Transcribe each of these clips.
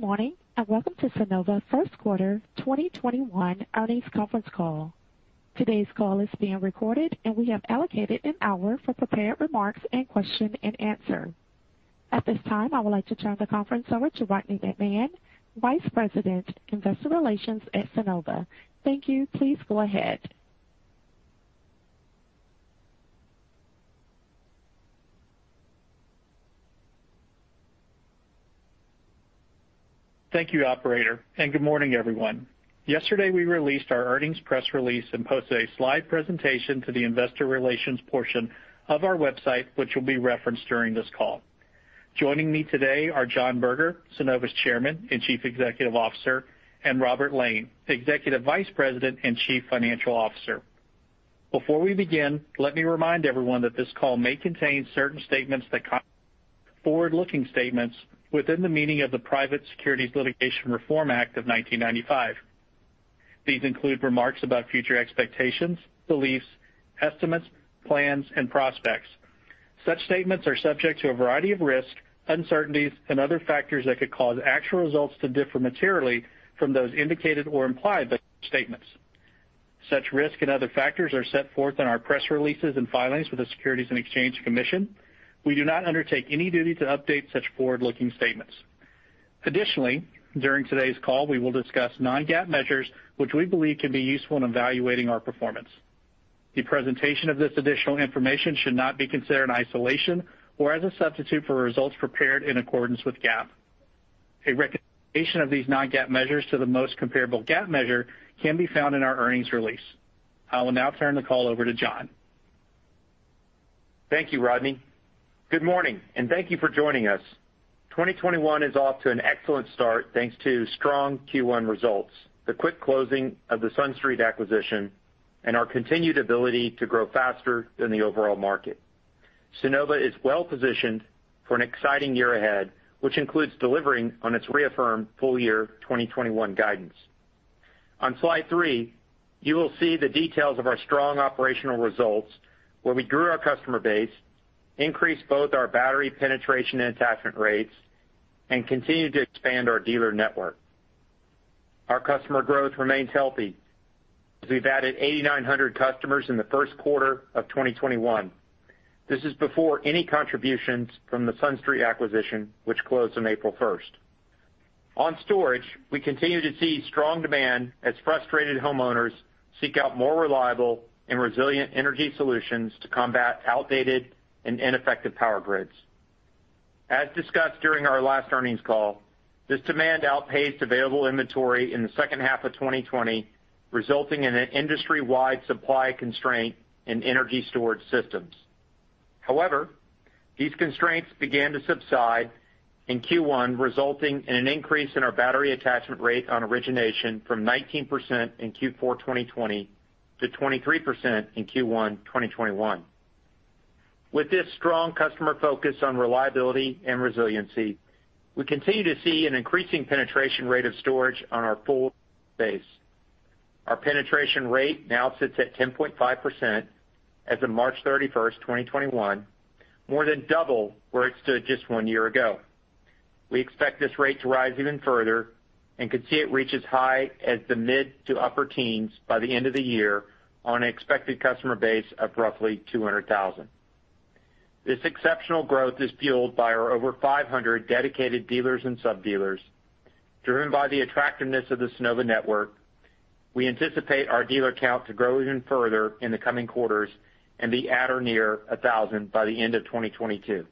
Good morning. Welcome to Sunnova's first quarter 2021 earnings conference call. Today's call is being recorded, and we have allocated an hour for prepared remarks and question and answer. At this time, I would like to turn the conference over to Rodney McMahan, Vice President, Investor Relations at Sunnova. Thank you. Please go ahead. Thank you, operator, and good morning, everyone. Yesterday, we released our earnings press release and posted a slide presentation to the investor relations portion of our website, which will be referenced during this call. Joining me today are John Berger, Sunnova's Chairman and Chief Executive Officer, and Robert Lane, Executive Vice President and Chief Financial Officer. Before we begin, let me remind everyone that this call may contain certain forward-looking statements within the meaning of the Private Securities Litigation Reform Act of 1995. These include remarks about future expectations, beliefs, estimates, plans, and prospects. Such statements are subject to a variety of risks, uncertainties, and other factors that could cause actual results to differ materially from those indicated or implied by those statements. Such risks and other factors are set forth in our press releases and filings with the Securities and Exchange Commission. We do not undertake any duty to update such forward-looking statements. Additionally, during today's call, we will discuss non-GAAP measures which we believe can be useful in evaluating our performance. The presentation of this additional information should not be considered in isolation or as a substitute for results prepared in accordance with GAAP. A reconciliation of these non-GAAP measures to the most comparable GAAP measure can be found in our earnings release. I will now turn the call over to John. Thank you, Rodney. Good morning, and thank you for joining us. 2021 is off to an excellent start thanks to strong Q1 results, the quick closing of the SunStreet acquisition, and our continued ability to grow faster than the overall market. Sunnova is well-positioned for an exciting year ahead, which includes delivering on its reaffirmed full-year 2021 guidance. On slide three, you will see the details of our strong operational results, where we grew our customer base, increased both our battery penetration and attachment rates, and continued to expand our dealer network. Our customer growth remains healthy, as we've added 8,900 customers in the first quarter of 2021. This is before any contributions from the SunStreet acquisition, which closed on April 1st. On storage, we continue to see strong demand as frustrated homeowners seek out more reliable and resilient energy solutions to combat outdated and ineffective power grids. As discussed during our last earnings call, this demand outpaced available inventory in the second half of 2020, resulting in an industry-wide supply constraint in energy storage systems. However, these constraints began to subside in Q1, resulting in an increase in our battery attachment rate on origination from 19% in Q4 2020 to 23% in Q1 2021. With this strong customer focus on reliability and resiliency, we continue to see an increasing penetration rate of storage on our full base. Our penetration rate now sits at 10.5% as of March 31st, 2021, more than double where it stood just one year ago. We expect this rate to rise even further and could see it reach as high as the mid to upper teens by the end of the year on an expected customer base of roughly 200,000. This exceptional growth is fueled by our over 500 dedicated dealers and sub-dealers. Driven by the attractiveness of the Sunnova Network, we anticipate our dealer count to grow even further in the coming quarters and be at or near 1,000 by the end of 2022.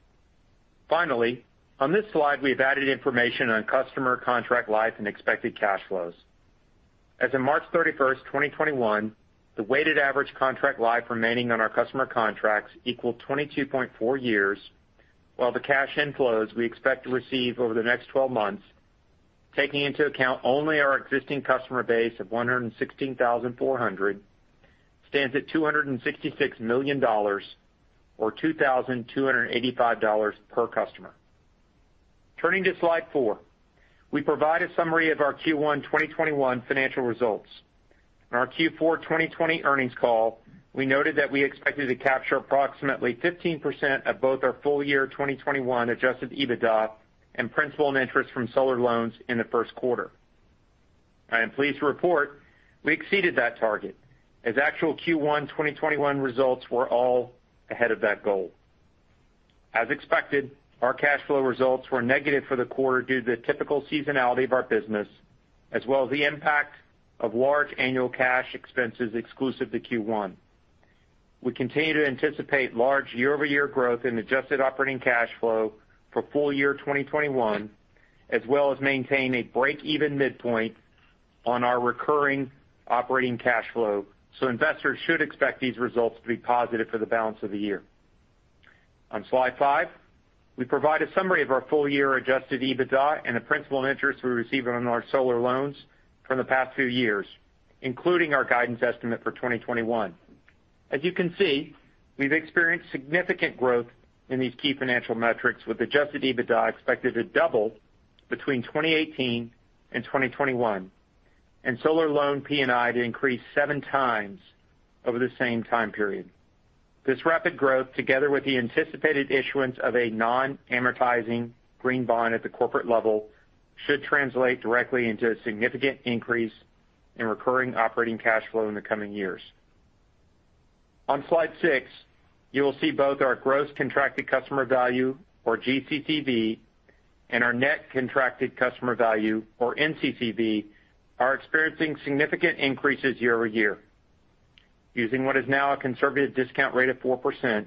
Finally, on this slide, we've added information on customer contract life and expected cash flows. As of March 31st, 2021, the weighted average contract life remaining on our customer contracts equaled 22.4 years, while the cash inflows we expect to receive over the next 12 months, taking into account only our existing customer base of 116,400, stands at $266 million or $2,285 per customer. Turning to slide four, we provide a summary of our Q1 2021 financial results. On our Q4 2020 earnings call, we noted that we expected to capture approximately 15% of both our full-year 2021 adjusted EBITDA and principal and interest from solar loans in the first quarter. I am pleased to report we exceeded that target, as actual Q1 2021 results were all ahead of that goal. As expected, our cash flow results were negative for the quarter due to the typical seasonality of our business as well as the impact of large annual cash expenses exclusive to Q1. We continue to anticipate large year-over-year growth in adjusted operating cash flow for full-year 2021, as well as maintain a break-even midpoint on our recurring operating cash flow. Investors should expect these results to be positive for the balance of the year. On slide five, we provide a summary of our full-year adjusted EBITDA and the principal and interest we received on our solar loans from the past few years, including our guidance estimate for 2021. As you can see, we've experienced significant growth in these key financial metrics, with adjusted EBITDA expected to double between 2018 and 2021 and solar loan P&I to increase seven times over the same time period. This rapid growth, together with the anticipated issuance of a non-amortizing green bond at the corporate level, should translate directly into a significant increase in recurring operating cash flow in the coming years. On slide six, you will see both our gross contracted customer value, or GCCV, and our net contracted customer value, or NCCV, are experiencing significant increases year-over-year. Using what is now a conservative discount rate of 4%,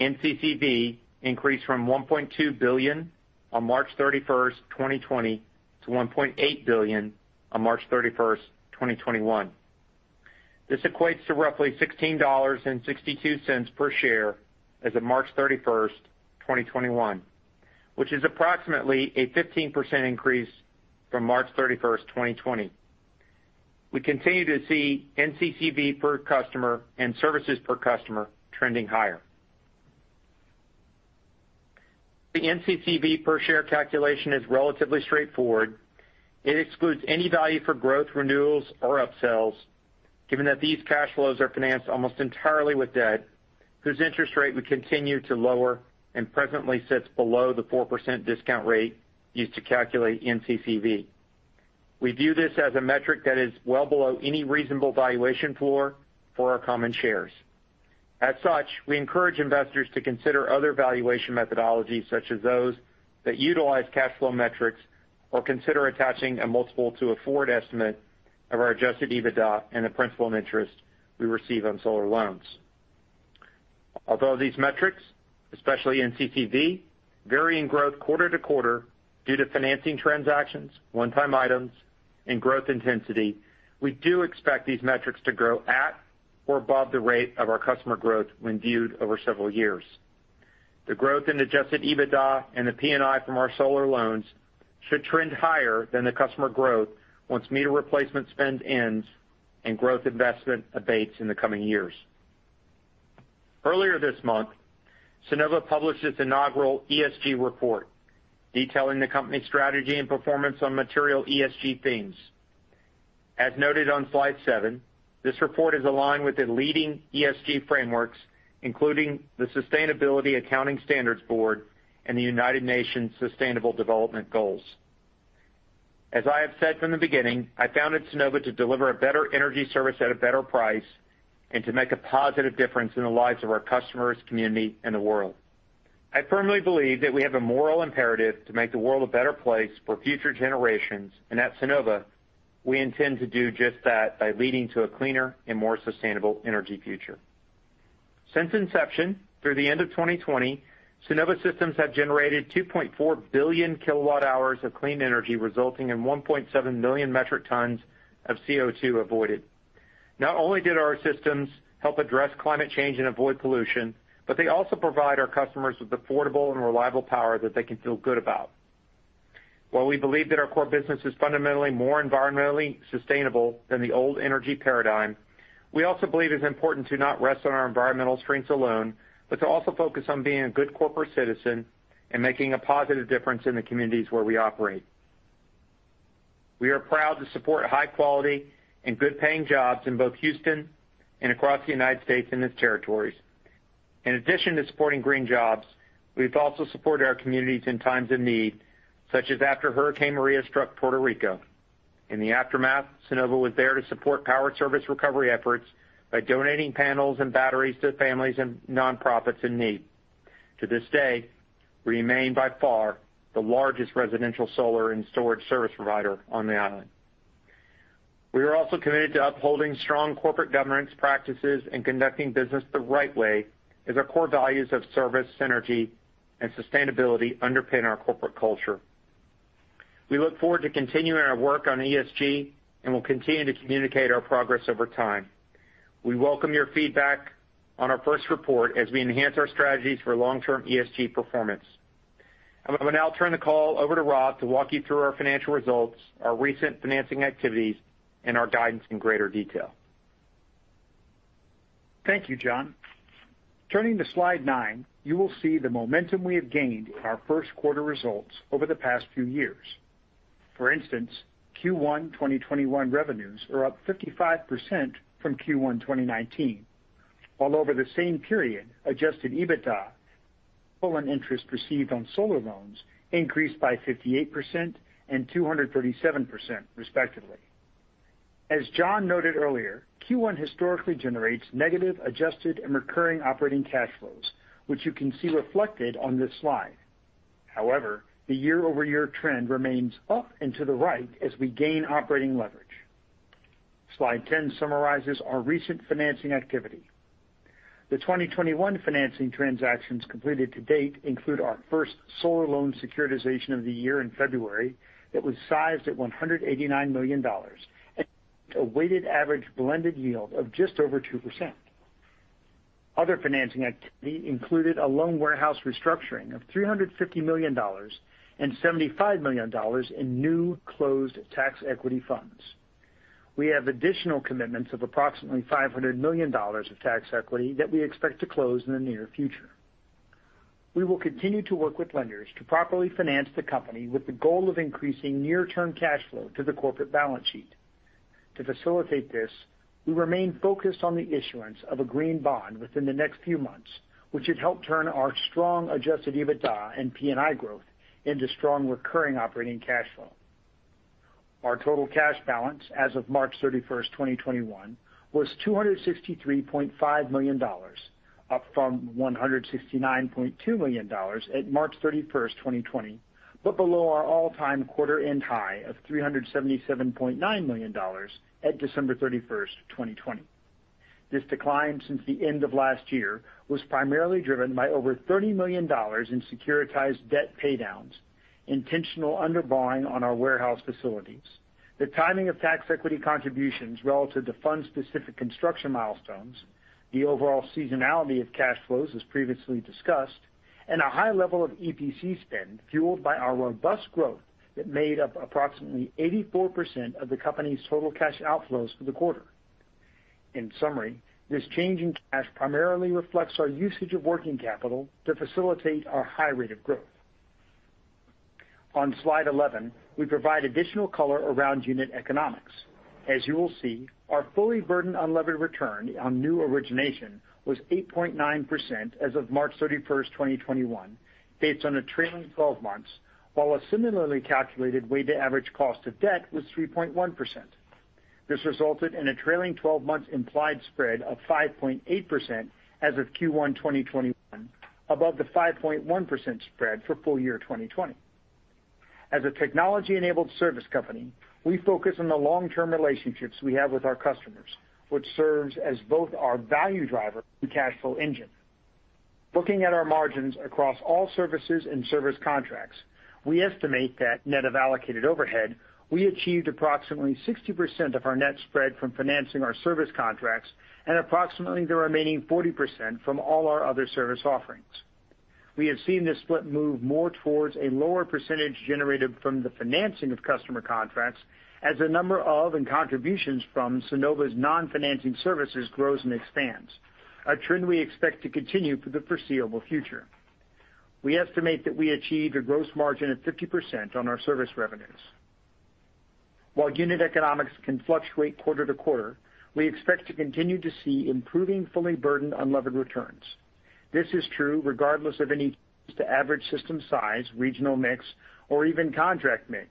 NCCV increased from $1.2 billion on March 31st, 2020, to $1.8 billion on March 31st, 2021. This equates to roughly $16.62 per share as of March 31st, 2021, which is approximately a 15% increase from March 31st, 2020. We continue to see NCCV per customer and services per customer trending higher. The NCCV per share calculation is relatively straightforward. It excludes any value for growth renewals or upsells, given that these cash flows are financed almost entirely with debt, whose interest rate would continue to lower and presently sits below the 4% discount rate used to calculate NCCV. We view this as a metric that is well below any reasonable valuation floor for our common shares. As such, we encourage investors to consider other valuation methodologies such as those that utilize cash flow metrics or consider attaching a multiple to a forward estimate of our adjusted EBITDA and the principal and interest we receive on solar loans. Although these metrics, especially NCCV, vary in growth quarter to quarter due to financing transactions, one-time items, and growth intensity, we do expect these metrics to grow at or above the rate of our customer growth when viewed over several years. The growth in adjusted EBITDA and the P&I from our solar loans should trend higher than the customer growth once meter replacement spend ends and growth investment abates in the coming years. Earlier this month, Sunnova published its inaugural ESG report, detailing the company's strategy and performance on material ESG themes. As noted on slide seven, this report is aligned with the leading ESG frameworks, including the Sustainability Accounting Standards Board and the United Nations Sustainable Development Goals. As I have said from the beginning, I founded Sunnova to deliver a better energy service at a better price and to make a positive difference in the lives of our customers, community, and the world. I firmly believe that we have a moral imperative to make the world a better place for future generations, and at Sunnova, we intend to do just that by leading to a cleaner and more sustainable energy future. Since inception through the end of 2020, Sunnova systems have generated 2.4 billion KWh of clean energy, resulting in 1.7 million metric tons of CO2 avoided. Not only did our systems help address climate change and avoid pollution, but they also provide our customers with affordable and reliable power that they can feel good about. While we believe that our core business is fundamentally more environmentally sustainable than the old energy paradigm, we also believe it's important to not rest on our environmental strengths alone, but to also focus on being a good corporate citizen and making a positive difference in the communities where we operate. We are proud to support high-quality and good-paying jobs in both Houston and across the United States and its territories. In addition to supporting green jobs, we've also supported our communities in times of need, such as after Hurricane Maria struck Puerto Rico. In the aftermath, Sunnova was there to support power service recovery efforts by donating panels and batteries to families and nonprofits in need. To this day, we remain, by far, the largest residential solar and storage service provider on the island. We are also committed to upholding strong corporate governance practices and conducting business the right way as our core values of service, synergy, and sustainability underpin our corporate culture. We look forward to continuing our work on ESG and will continue to communicate our progress over time. We welcome your feedback on our first report as we enhance our strategies for long-term ESG performance. I will now turn the call over to Rob to walk you through our financial results, our recent financing activities, and our guidance in greater detail. Thank you, John. Turning to slide nine, you will see the momentum we have gained in our first quarter results over the past few years. For instance, Q1 2021 revenues are up 55% from Q1 2019. While over the same period, adjusted EBITDA and interest received on solar loans increased by 58% and 237% respectively. As John noted earlier, Q1 historically generates negative adjusted and recurring operating cash flows, which you can see reflected on this slide. However, the year-over-year trend remains up and to the right as we gain operating leverage. Slide 10 summarizes our recent financing activity. The 2021 financing transactions completed to date include our first solar loan securitization of the year in February that was sized at $189 million and a weighted average blended yield of just over 2%. Other financing activity included a loan warehouse restructuring of $350 million and $75 million in new closed tax equity funds. We have additional commitments of approximately $500 million of tax equity that we expect to close in the near future. We will continue to work with lenders to properly finance the company with the goal of increasing near-term cash flow to the corporate balance sheet. To facilitate this, we remain focused on the issuance of a green bond within the next few months, which should help turn our strong adjusted EBITDA and P&I growth into strong recurring operating cash flow. Our total cash balance as of March 31st, 2021, was $263.5 million, up from $169.2 million at March 31st, 2020, but below our all-time quarter-end high of $377.9 million at December 31st, 2020. This decline since the end of last year was primarily driven by over $30 million in securitized debt paydowns, intentional under-borrowing on our warehouse facilities, the timing of tax equity contributions relative to fund specific construction milestones, the overall seasonality of cash flows, as previously discussed, and a high level of EPC spend fueled by our robust growth that made up approximately 84% of the company's total cash outflows for the quarter. In summary, this change in cash primarily reflects our usage of working capital to facilitate our high rate of growth. On slide 11, we provide additional color around unit economics. As you will see, our fully burdened unlevered return on new origination was 8.9% as of March 31st, 2021, based on a trailing 12 months, while a similarly calculated weighted average cost of debt was 3.1%. This resulted in a trailing 12 months implied spread of 5.8% as of Q1 2021 above the 5.1% spread for full year 2020. As a technology-enabled service company, we focus on the long-term relationships we have with our customers, which serves as both our value driver and cash flow engine. Looking at our margins across all services and service contracts, we estimate that net of allocated overhead, we achieved approximately 60% of our net spread from financing our service contracts and approximately the remaining 40% from all our other service offerings. We have seen this split move more towards a lower percentage generated from the financing of customer contracts as the number of and contributions from Sunnova's non-financing services grows and expands, a trend we expect to continue for the foreseeable future. We estimate that we achieved a gross margin of 50% on our service revenues. While unit economics can fluctuate quarter-to-quarter, we expect to continue to see improving fully burdened unlevered returns. This is true regardless of any change to average system size, regional mix, or even contract mix,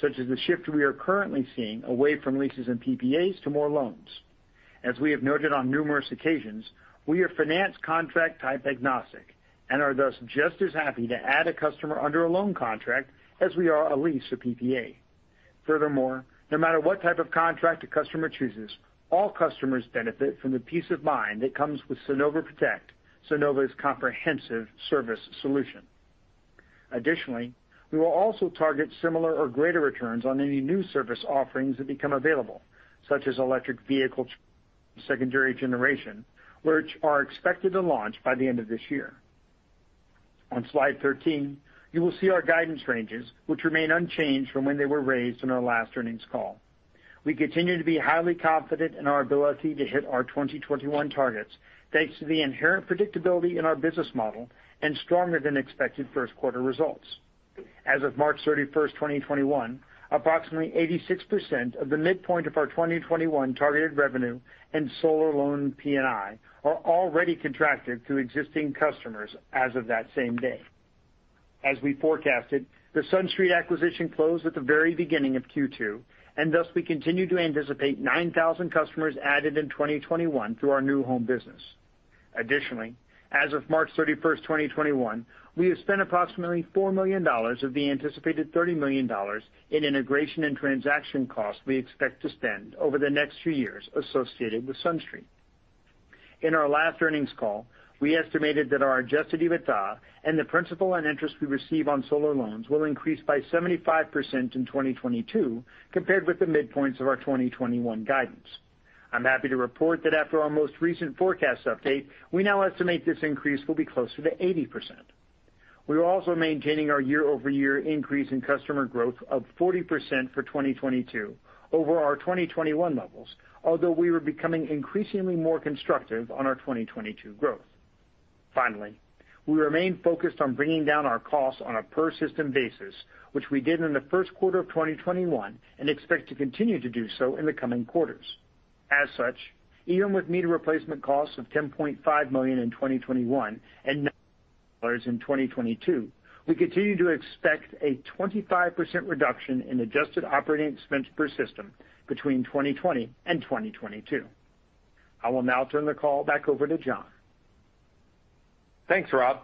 such as the shift we are currently seeing away from leases and PPAs to more loans. As we have noted on numerous occasions, we are finance contract type agnostic and are thus just as happy to add a customer under a loan contract as we are a lease or PPA. Furthermore, no matter what type of contract a customer chooses, all customers benefit from the peace of mind that comes with Sunnova Protect, Sunnova's comprehensive service solution. Additionally, we will also target similar or greater returns on any new service offerings that become available, such as electric vehicle secondary generation, which are expected to launch by the end of this year. On slide 13, you will see our guidance ranges, which remain unchanged from when they were raised on our last earnings call. We continue to be highly confident in our ability to hit our 2021 targets, thanks to the inherent predictability in our business model and stronger than expected first quarter results. As of March 31st, 2021, approximately 86% of the midpoint of our 2021 targeted revenue and solar loan P&I are already contracted through existing customers as of that same day. As we forecasted, the SunStreet acquisition closed at the very beginning of Q2, and thus we continue to anticipate 9,000 customers added in 2021 through our new home business. Additionally, as of March 31st, 2021, we have spent approximately $4 million of the anticipated $30 million in integration and transaction costs we expect to spend over the next few years associated with SunStreet. In our last earnings call, we estimated that our adjusted EBITDA and the principal and interest we receive on solar loans will increase by 75% in 2022 compared with the midpoints of our 2021 guidance. I'm happy to report that after our most recent forecast update, we now estimate this increase will be closer to 80%. We're also maintaining our year-over-year increase in customer growth of 40% for 2022 over our 2021 levels. Although we were becoming increasingly more constructive on our 2022 growth. Finally, we remain focused on bringing down our costs on a per system basis, which we did in the first quarter of 2021, and expect to continue to do so in the coming quarters. As such, even with meter replacement costs of $10.5 million in 2021 and $9 million in 2022, we continue to expect a 25% reduction in adjusted operating expense per system between 2020 and 2022. I will now turn the call back over to John. Thanks, Rob.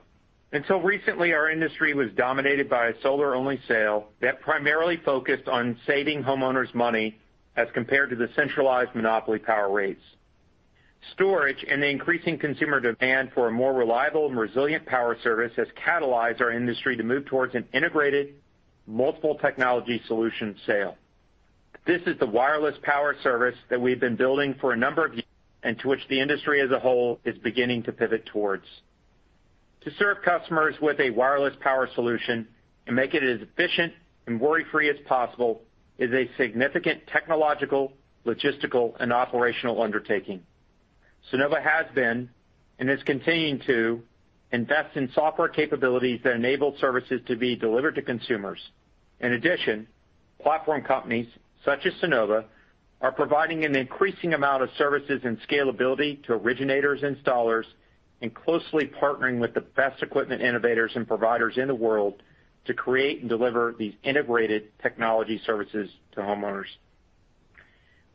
Until recently, our industry was dominated by a solar-only sale that primarily focused on saving homeowners money as compared to the centralized monopoly power rates. Storage and the increasing consumer demand for a more reliable and resilient power service has catalyzed our industry to move towards an integrated multiple technology solution sale. This is the wireless power service that we've been building for a number of years, and to which the industry as a whole is beginning to pivot towards. To serve customers with a wireless power solution and make it as efficient and worry-free as possible is a significant technological, logistical, and operational undertaking. Sunnova has been, and is continuing to, invest in software capabilities that enable services to be delivered to consumers. Platform companies such as Sunnova are providing an increasing amount of services and scalability to originators, installers, and closely partnering with the best equipment innovators and providers in the world to create and deliver these integrated technology services to homeowners.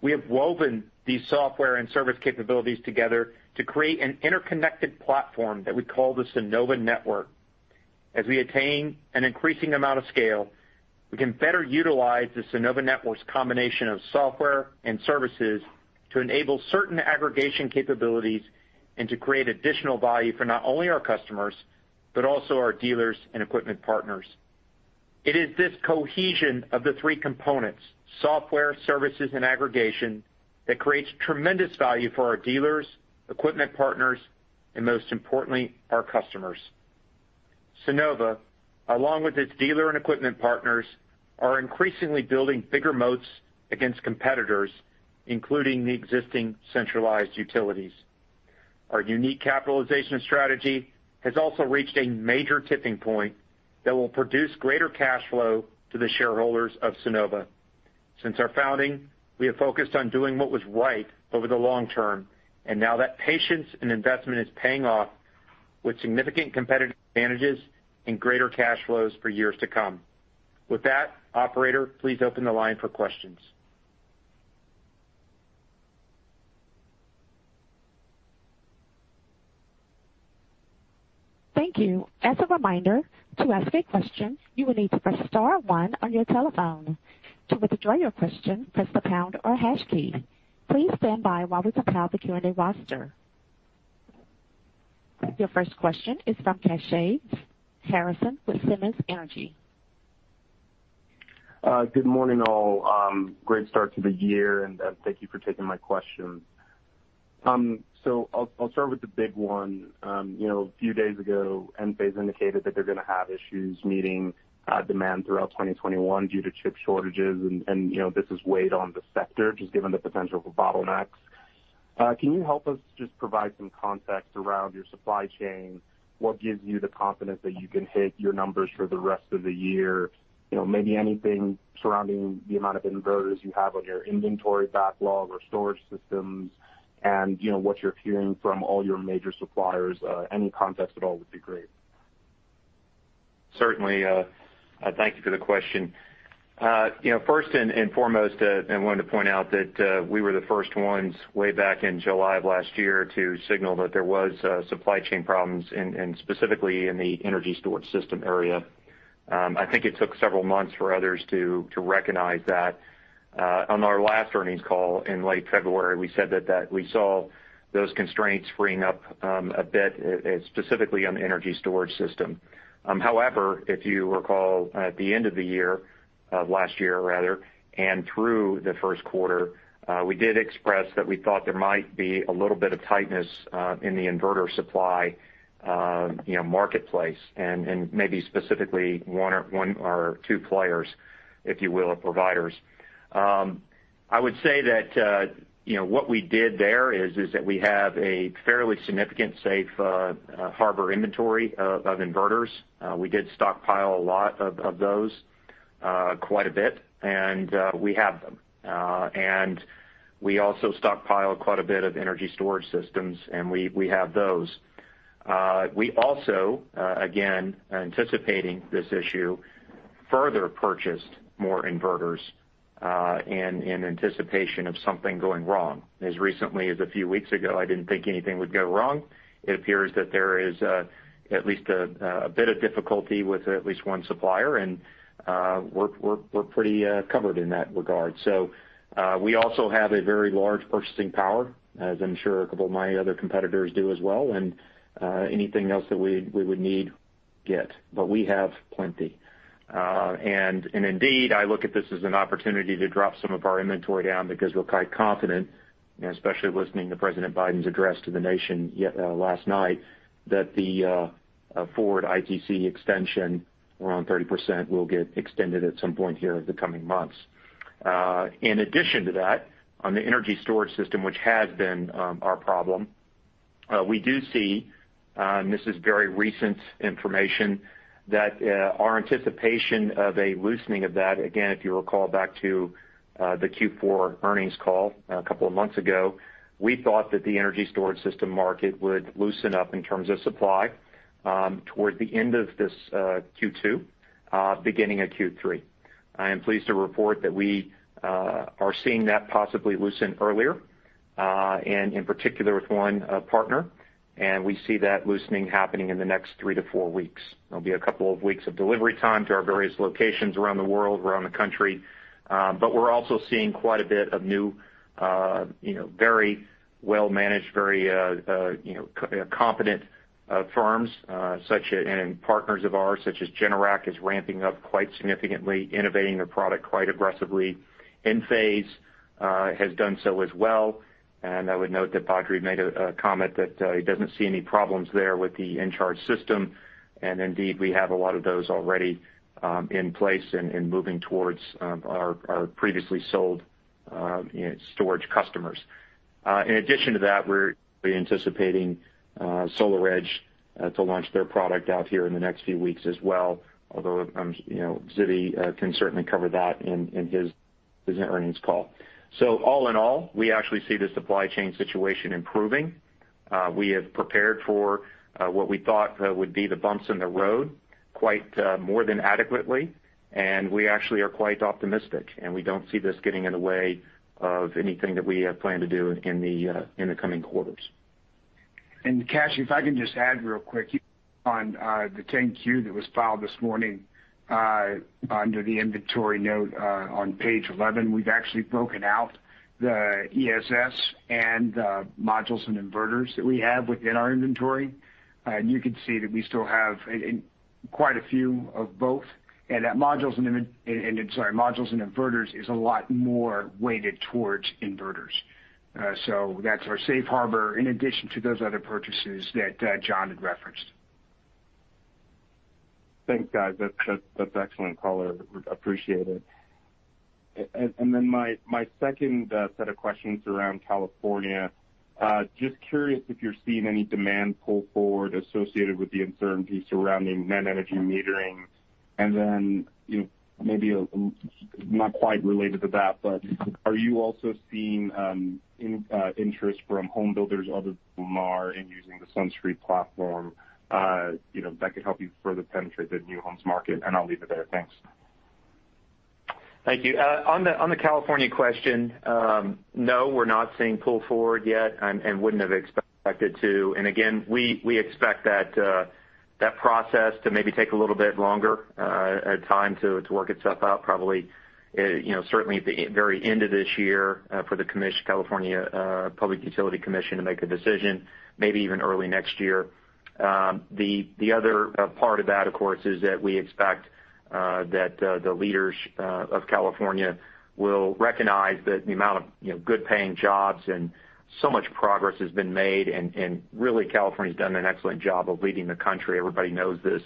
We have woven these software and service capabilities together to create an interconnected platform that we call the Sunnova Network. We attain an increasing amount of scale, we can better utilize the Sunnova Network's combination of software and services to enable certain aggregation capabilities and to create additional value for not only our customers, but also our dealers and equipment partners. It is this cohesion of the three components, software, services, and aggregation, that creates tremendous value for our dealers, equipment partners, and most importantly, our customers. Sunnova, along with its dealer and equipment partners, are increasingly building bigger moats against competitors, including the existing centralized utilities. Our unique capitalization strategy has also reached a major tipping point that will produce greater cash flow to the shareholders of Sunnova. Since our founding, we have focused on doing what was right over the long term, and now that patience and investment is paying off with significant competitive advantages and greater cash flows for years to come. With that, operator, please open the line for questions. Thank you. As a reminder to ask a question you will need to press star one on your telephone. To withdraw your question press the pound or hash key. Please standby while we account your Q&A roster. Your first question is from Kashy Harrison with Simmons Energy. Good morning, all. Great start to the year, and thank you for taking my question. I'll start with the big one. A few days ago, Enphase indicated that they're going to have issues meeting demand throughout 2021 due to chip shortages, and this has weighed on the sector, just given the potential for bottlenecks. Can you help us just provide some context around your supply chain? What gives you the confidence that you can hit your numbers for the rest of the year? Maybe anything surrounding the amount of inverters you have on your inventory backlog or storage systems and what you're hearing from all your major suppliers. Any context at all would be great. Certainly. Thank you for the question. First and foremost, I wanted to point out that we were the first ones way back in July of last year to signal that there was supply chain problems, and specifically in the energy storage system area. I think it took several months for others to recognize that. On our last earnings call in late February, we said that we saw those constraints freeing up a bit, specifically on the energy storage system. However, if you recall, at the end of the year, of last year rather, and through the first quarter, we did express that we thought there might be a little bit of tightness in the inverter supply marketplace and maybe specifically one or two players, if you will, or providers. I would say that what we did there is that we have a fairly significant safe harbor inventory of inverters. We did stockpile a lot of those, quite a bit, and we have them. We also stockpiled quite a bit of energy storage systems, and we have those. We also, again, anticipating this issue, further purchased more inverters in anticipation of something going wrong. As recently as a few weeks ago, I didn't think anything would go wrong. It appears that there is at least a bit of difficulty with at least one supplier, and we're pretty covered in that regard. We also have a very large purchasing power, as I'm sure a couple of my other competitors do as well, and anything else that we would need, get. We have plenty. Indeed, I look at this as an opportunity to drop some of our inventory down because we're quite confident, especially listening to President Biden's address to the nation last night, that the forward ITC extension around 30% will get extended at some point here in the coming months. In addition to that, on the energy storage system, which has been our problem, we do see, and this is very recent information, that our anticipation of a loosening of that, again, if you recall back to the Q4 earnings call a couple of months ago, we thought that the energy storage system market would loosen up in terms of supply toward the end of this Q2, beginning of Q3. I am pleased to report that we are seeing that possibly loosen earlier, and in particular with one partner, and we see that loosening happening in the next three to four weeks. There'll be a couple of weeks of delivery time to our various locations around the world, around the country. We're also seeing quite a bit of new, very well-managed, very competent firms and partners of ours, such as Generac, is ramping up quite significantly, innovating their product quite aggressively. Enphase has done so as well. I would note that Badri made a comment that he doesn't see any problems there with the Encharge system. Indeed, we have a lot of those already in place and moving towards our previously sold storage customers. In addition to that, we're anticipating SolarEdge to launch their product out here in the next few weeks as well, although Zvi can certainly cover that in his earnings call. All in all, we actually see the supply chain situation improving. We have prepared for what we thought would be the bumps in the road quite more than adequately, and we actually are quite optimistic, and we don't see this getting in the way of anything that we have planned to do in the coming quarters. Kash, if I can just add real quick on the 10-Q that was filed this morning under the inventory note on page 11. We've actually broken out the ESS and the modules and inverters that we have within our inventory. You can see that we still have quite a few of both, and that modules and inverters is a lot more weighted towards inverters. That's our safe harbor in addition to those other purchases that John had referenced. Thanks, guys. That's excellent color. Appreciate it. My second set of questions around California. Just curious if you're seeing any demand pull forward associated with the uncertainty surrounding net energy metering. Maybe not quite related to that, but are you also seeing interest from home builders other than Lennar in using the SunStreet platform that could help you further penetrate the new homes market. I'll leave it there. Thanks. Thank you. On the California question, no, we're not seeing pull forward yet and wouldn't have expected to. Again, we expect that process to maybe take a little bit longer time to work itself out. Probably, certainly at the very end of this year for the California Public Utilities Commission to make a decision, maybe even early next year. The other part of that, of course, is that we expect that the leaders of California will recognize that the amount of good-paying jobs and so much progress has been made, and really, California's done an excellent job of leading the country, everybody knows this,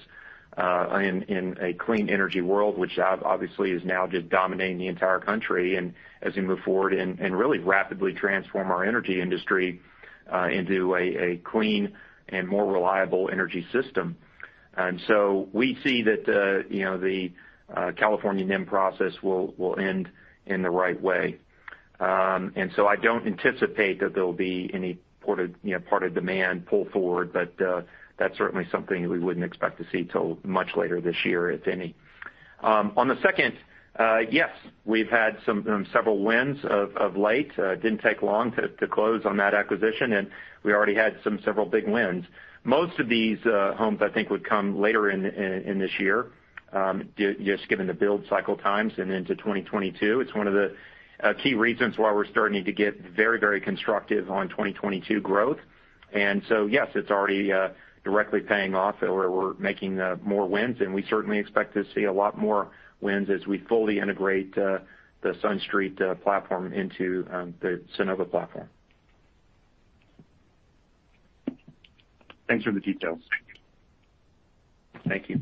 in a clean energy world, which obviously is now just dominating the entire country, and as we move forward and really rapidly transform our energy industry into a clean and more reliable energy system. We see that the California NEM process will end in the right way. I don't anticipate that there'll be any part of demand pull forward, but that's certainly something we wouldn't expect to see till much later this year, if any. On the second, yes. We've had several wins of late. Didn't take long to close on that acquisition, and we already had some several big wins. Most of these homes, I think, would come later in this year, just given the build cycle times and into 2022. It's one of the key reasons why we're starting to get very constructive on 2022 growth. Yes, it's already directly paying off, and we're making more wins, and we certainly expect to see a lot more wins as we fully integrate the SunStreet platform into the Sunnova platform. Thanks for the details. Thank you.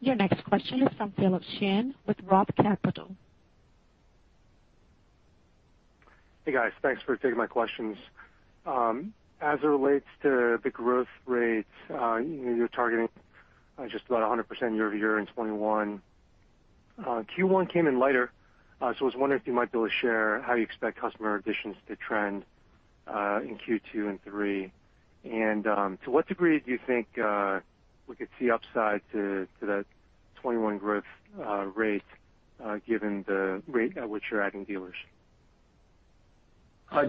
Your next question is from Philip Shen with ROTH Capital. Hey, guys. Thanks for taking my questions. As it relates to the growth rates, you're targeting just about 100% year-over-year in 2021. Q1 came in lighter. I was wondering if you might be able to share how you expect customer additions to trend in Q2 and Q3. To what degree do you think we could see upside to that 2021 growth rate given the rate at which you're adding dealers?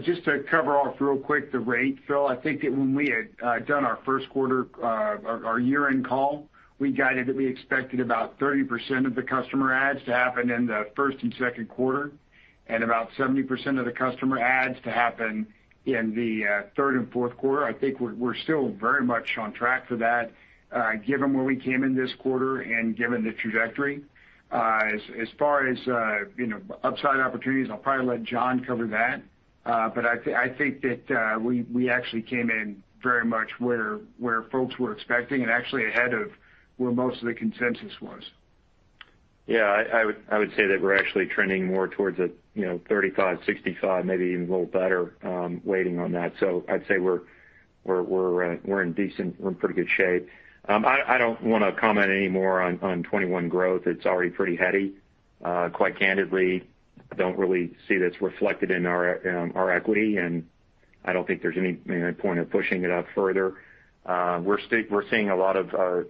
Just to cover off real quick the rate, Phil, I think that when we had done our year-end call, we guided that we expected about 30% of the customer adds to happen in the first and second quarter, and about 70% of the customer adds to happen in the third and fourth quarter. I think we're still very much on track for that given where we came in this quarter and given the trajectory. As far as upside opportunities, I'll probably let John cover that. I think that we actually came in very much where folks were expecting and actually ahead of where most of the consensus was. Yeah, I would say that we're actually trending more towards a 35/65, maybe even a little better weighting on that. I'd say we're in pretty good shape. I don't want to comment any more on 2021 growth. It's already pretty heady. Quite candidly, I don't really see this reflected in our equity, and I don't think there's any point of pushing it up further. We're seeing a lot of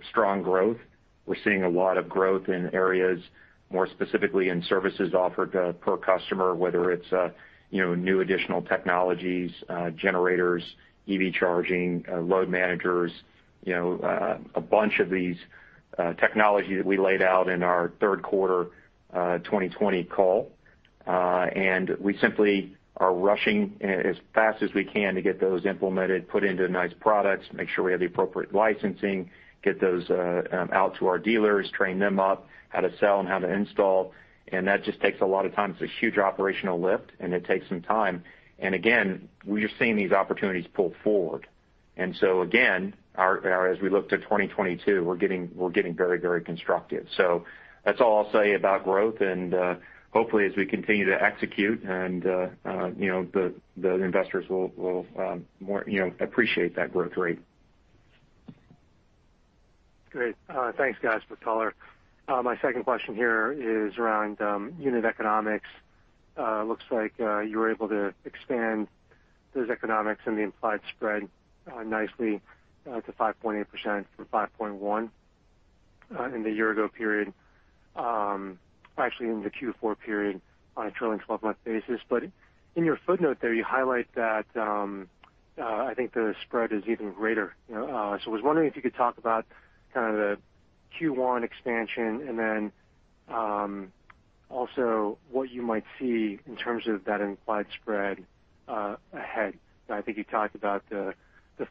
strong growth. We're seeing a lot of growth in areas, more specifically in services offered per customer, whether it's new additional technologies, generators, EV charging, load managers, a bunch of these technologies that we laid out in our third quarter 2020 call. We simply are rushing as fast as we can to get those implemented, put into nice products, make sure we have the appropriate licensing, get those out to our dealers, train them up how to sell and how to install, and that just takes a lot of time. It's a huge operational lift, and it takes some time. Again, we are seeing these opportunities pull forward. So again, as we look to 2022, we're getting very constructive. That's all I'll say about growth and hopefully as we continue to execute the investors will appreciate that growth rate. Great. Thanks, guys, for color. My second question here is around unit economics. Looks like you were able to expand those economics and the implied spread nicely to 5.8% from 5.1% in the year-ago period, actually in the Q4 period on a trailing 12-month basis. In your footnote there, you highlight that I think the spread is even greater. I was wondering if you could talk about kind of the Q1 expansion and then also what you might see in terms of that implied spread ahead. I think you talked about the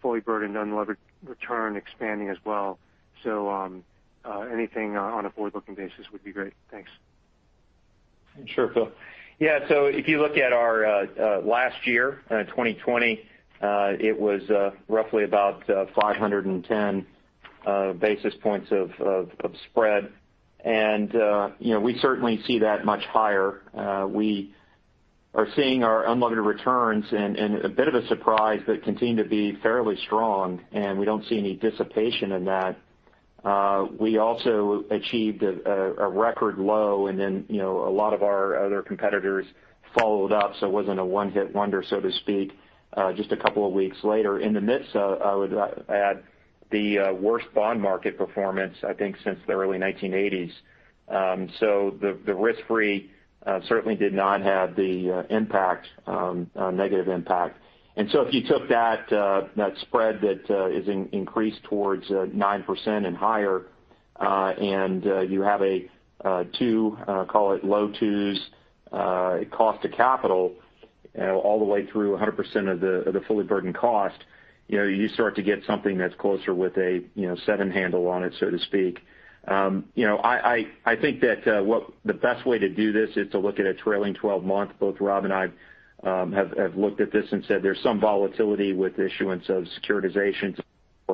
fully burdened unlevered return expanding as well. Anything on a forward-looking basis would be great. Thanks. Sure, Philip Shen. Yeah. If you look at our last year, 2020, it was roughly about 510 basis points of spread. We certainly see that much higher. We are seeing our unlevered returns and a bit of a surprise, but continue to be fairly strong, and we don't see any dissipation in that. We also achieved a record low and then a lot of our other competitors followed up, so it wasn't a one-hit wonder, so to speak, just a couple of weeks later. In the midst, I would add, the worst bond market performance, I think since the early 1980s. The risk-free certainly did not have the negative impact. If you took that spread that is increased towards 9% and higher, and you have a two, call it low 2s, cost of capital all the way through 100% of the fully burdened cost you start to get something that's closer with a seven handle on it, so to speak. I think that the best way to do this is to look at a trailing 12-month. Both Rob and I have looked at this and said there's some volatility with issuance of securitizations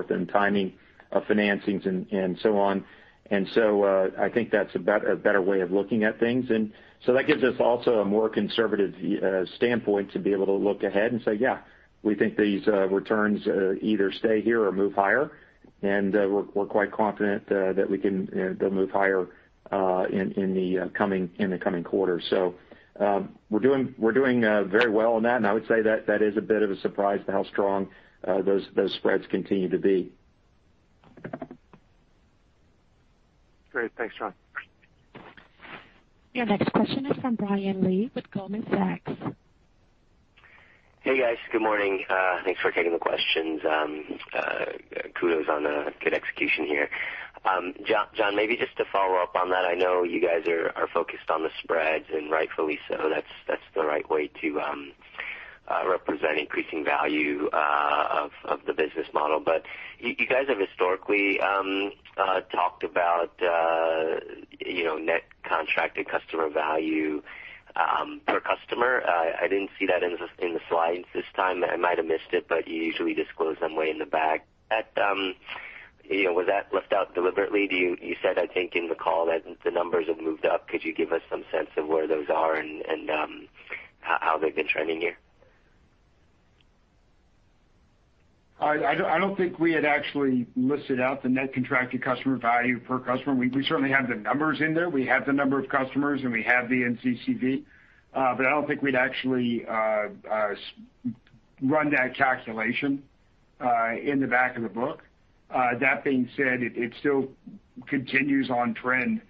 and timing of financings and so on. I think that's a better way of looking at things. That gives us also a more conservative standpoint to be able to look ahead and say, "Yeah, we think these returns either stay here or move higher." We're quite confident that they'll move higher in the coming quarters. We're doing very well on that, and I would say that is a bit of a surprise to how strong those spreads continue to be. Great. Thanks, John. Your next question is from Brian Lee with Goldman Sachs. Hey, guys. Good morning. Thanks for taking the questions. Kudos on the good execution here. John, maybe just to follow up on that, I know you guys are focused on the spreads. Rightfully so. That's the right way to represent increasing value of the business model. You guys have historically talked about Net Contracted Customer Value per customer. I didn't see that in the slides this time. I might have missed it. You usually disclose somewhere in the back. Was that left out deliberately? You said, I think in the call that the numbers have moved up. Could you give us some sense of where those are and how they've been trending here? I don't think we had actually listed out the Net Contracted Customer Value per customer. We certainly have the numbers in there. We have the number of customers, and we have the NCCV. I don't think we'd actually run that calculation in the back of the book. That being said, it still continues on trend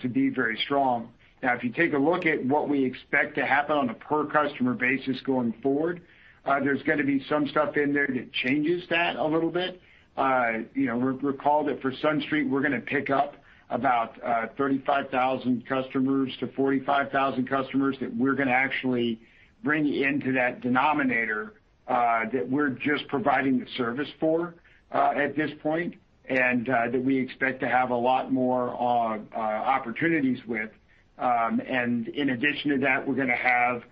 to be very strong. If you take a look at what we expect to happen on a per customer basis going forward, there's going to be some stuff in there that changes that a little bit. Recall that for SunStreet, we're going to pick up about 35,000 customers-45,000 customers that we're going to actually bring into that denominator that we're just providing the service for at this point, and that we expect to have a lot more opportunities with. In addition to that, we're going to have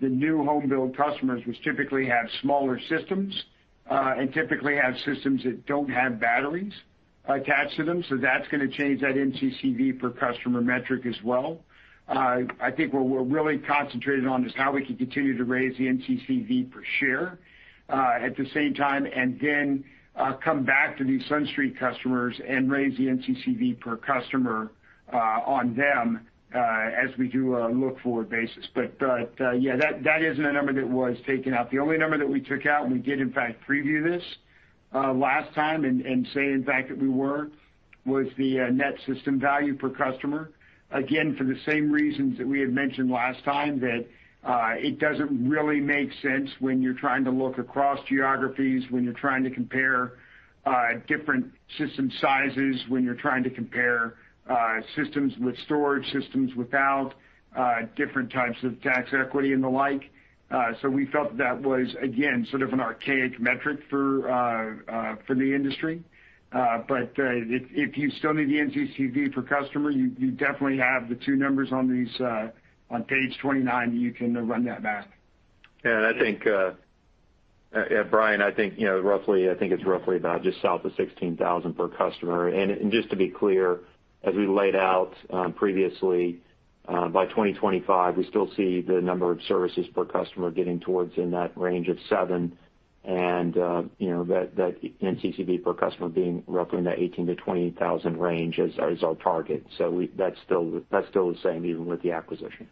the new home build customers, which typically have smaller systems, and typically have systems that don't have batteries attached to them. That's going to change that NCCV per customer metric as well. I think what we're really concentrated on is how we can continue to raise the NCCV per share at the same time, and then come back to these SunStreet customers and raise the NCCV per customer on them as we do a look forward basis. That isn't a number that was taken out. The only number that we took out, and we did in fact preview this last time and say in fact that we were, was the net system value per customer. Again, for the same reasons that we had mentioned last time, that it doesn't really make sense when you're trying to look across geographies, when you're trying to compare different system sizes, when you're trying to compare systems with storage, systems without, different types of tax equity and the like. We felt that was, again, sort of an archaic metric for the industry. If you still need the NCCV per customer, you definitely have the two numbers on page 29 that you can run that back. Yeah, Brian, I think it's roughly about just south of $16,000 per customer. Just to be clear, as we laid out previously, by 2025, we still see the number of services per customer getting towards in that range of seven, and that NCCV per customer being roughly in that $18,000-$20,000 range is our target. That's still the same even with the acquisition.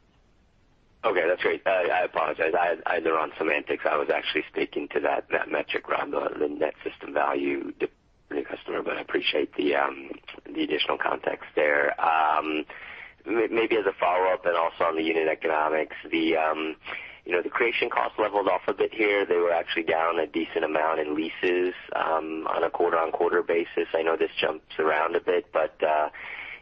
Okay. That's great. I apologize. Either on semantics, I was actually speaking to that metric around the net system value per new customer, but I appreciate the additional context there. Maybe as a follow-up and also on the unit economics, the creation cost leveled off a bit here. They were actually down a decent amount in leases on a quarter-on-quarter basis. I know this jumps around a bit, but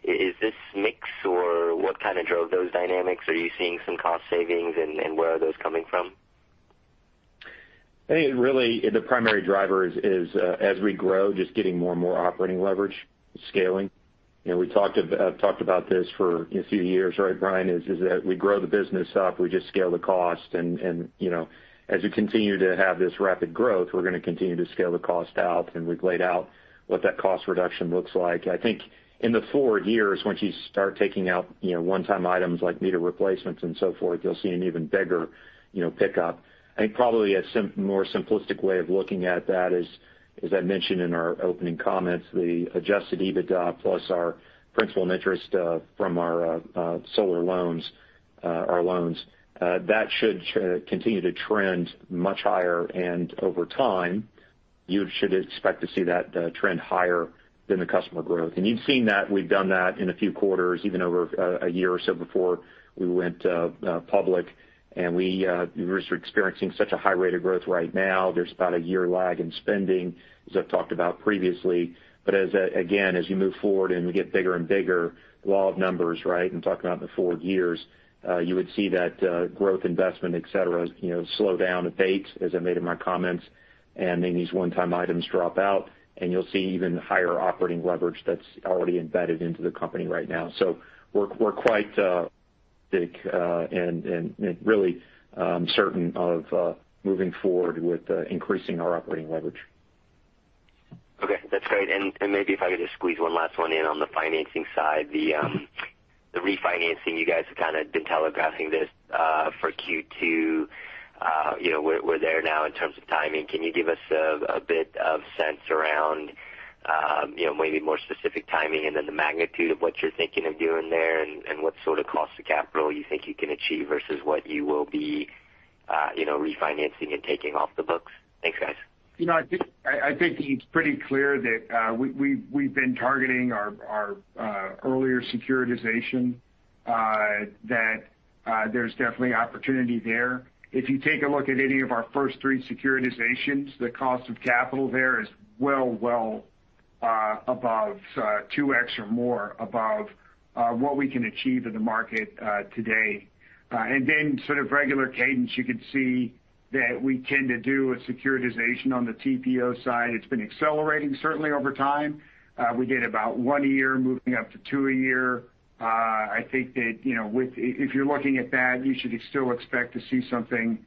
is this mix or what kind of drove those dynamics? Are you seeing some cost savings and where are those coming from? I think really the primary driver is as we grow, just getting more and more operating leverage scaling. We talked about this for a few years, right, Brian, is that we grow the business up, we just scale the cost. As we continue to have this rapid growth, we're going to continue to scale the cost out, and we've laid out what that cost reduction looks like. I think in the four years, once you start taking out one-time items like meter replacements and so forth, you'll see an even bigger pickup. I think probably a more simplistic way of looking at that is, as I mentioned in our opening comments, the adjusted EBITDA plus our principal and interest from our solar loans, our loans. That should continue to trend much higher, and over time, you should expect to see that trend higher than the customer growth. You've seen that we've done that in a few quarters, even over a year or so before we went public. We were experiencing such a high rate of growth right now. There's about a one year lag in spending, as I've talked about previously. Again, as you move forward and we get bigger and bigger law of numbers, right? I'm talking about in the four years, you would see that growth investment, et cetera, slow down a bit, as I made in my comments, and then these one-time items drop out, and you'll see even higher operating leverage that's already embedded into the company right now. We're quite big and really certain of moving forward with increasing our operating leverage. Okay, that's great. Maybe if I could just squeeze one last one in on the financing side. The refinancing, you guys have kind of been telegraphing this for Q2. We're there now in terms of timing. Can you give us a bit of sense around maybe more specific timing and then the magnitude of what you're thinking of doing there, and what sort of cost of capital you think you can achieve versus what you will be refinancing and taking off the books? Thanks, guys. I think it's pretty clear that we've been targeting our earlier securitization, that there's definitely opportunity there. If you take a look at any of our first three securitizations, the cost of capital there is well above 2x or more above what we can achieve in the market today. Sort of regular cadence, you can see that we tend to do a securitization on the TPO side. It's been accelerating certainly over time. We did about one a year moving up to two a year. I think that if you're looking at that, you should still expect to see something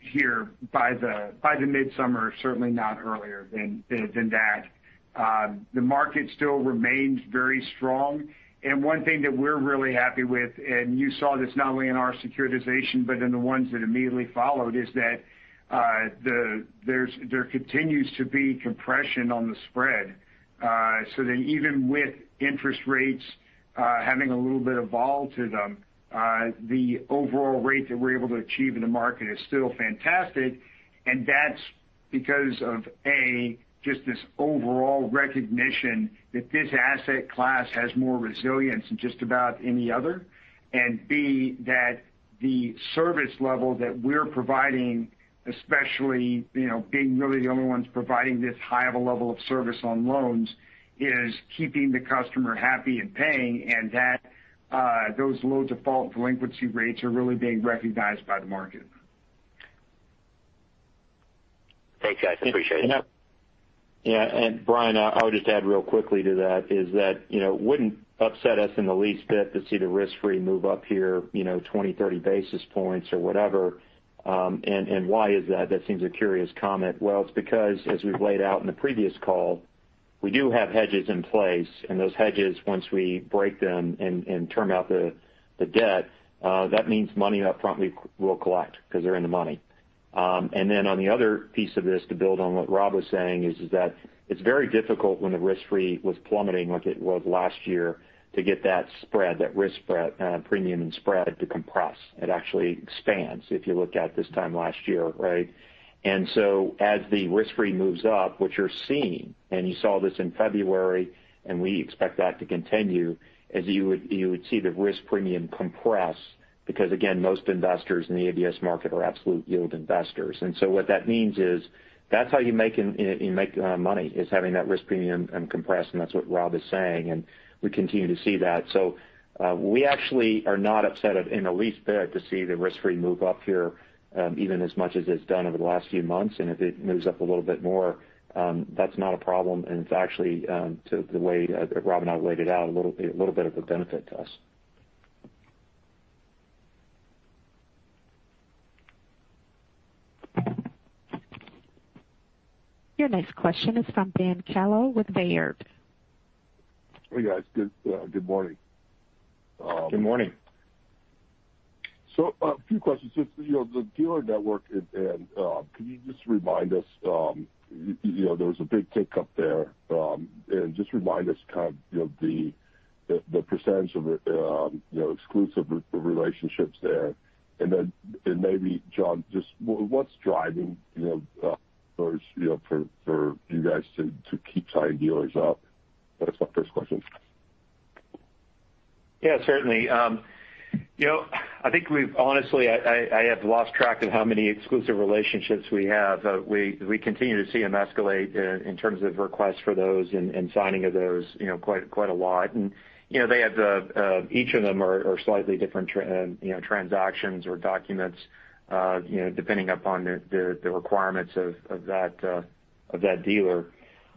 here by the midsummer, certainly not earlier than that. The market still remains very strong. One thing that we're really happy with, and you saw this not only in our securitization, but in the ones that immediately followed, is that there continues to be compression on the spread. Even with interest rates having a little bit of vol to them, the overall rate that we're able to achieve in the market is still fantastic, and that's because of A, just this overall recognition that this asset class has more resilience than just about any other. B, that the service level that we're providing, especially being really the only ones providing this high of a level of service on loans, is keeping the customer happy and paying, and that those low default delinquency rates are really being recognized by the market. Thanks, guys. Appreciate it. Yeah. Brian, I would just add real quickly to that is that it wouldn't upset us in the least bit to see the risk-free move up here 20, 30 basis points or whatever. Why is that? That seems a curious comment. Well, it's because as we've laid out in the previous call, we do have hedges in place, and those hedges, once we break them and term out the debt, that means money up front we will collect because they're in the money. Then on the other piece of this to build on what Rob was saying is that it's very difficult when the risk-free was plummeting like it was last year to get that spread, that risk premium and spread to compress. It actually expands if you look at this time last year, right? As the risk-free moves up, which you're seeing, and you saw this in February, and we expect that to continue as you would see the risk premium compress because, again, most investors in the ABS market are absolute yield investors. What that means is that's how you make money, is having that risk premium uncompressed, and that's what Rob is saying, and we continue to see that. We actually are not upset in the least bit to see the risk-free move up here even as much as it's done over the last few months. If it moves up a little bit more, that's not a problem, and it's actually, the way Rob and I laid it out, a little bit of a benefit to us. Your next question is from Ben Kallo with Baird. Hey, guys. Good morning. Good morning. A few questions. Just the dealer network, and can you just remind us, there was a big tick up there. Just remind us the percentage of exclusive relationships there, then maybe John, just what's driving those for you guys to keep signing dealers up? That's my first question. Yeah, certainly. Honestly, I have lost track of how many exclusive relationships we have. We continue to see them escalate in terms of requests for those and signing of those quite a lot. Each of them are slightly different transactions or documents, depending upon the requirements of that dealer.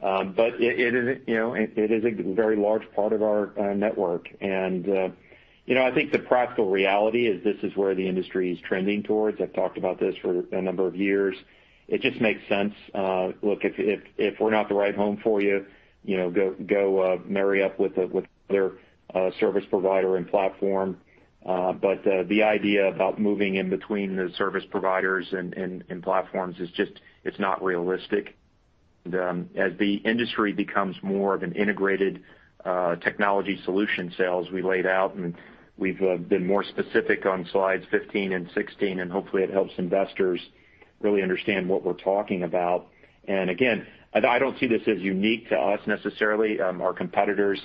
It is a very large part of our network. I think the practical reality is this is where the industry is trending towards. I've talked about this for a number of years. It just makes sense. Look, if we're not the right home for you, go marry up with another service provider and platform. The idea about moving in between the service providers and platforms is just not realistic. As the industry becomes more of an integrated technology solution sales, we laid out, and we've been more specific on slides 15 and 16, and hopefully it helps investors really understand what we're talking about. Again, I don't see this as unique to us necessarily. Our competitors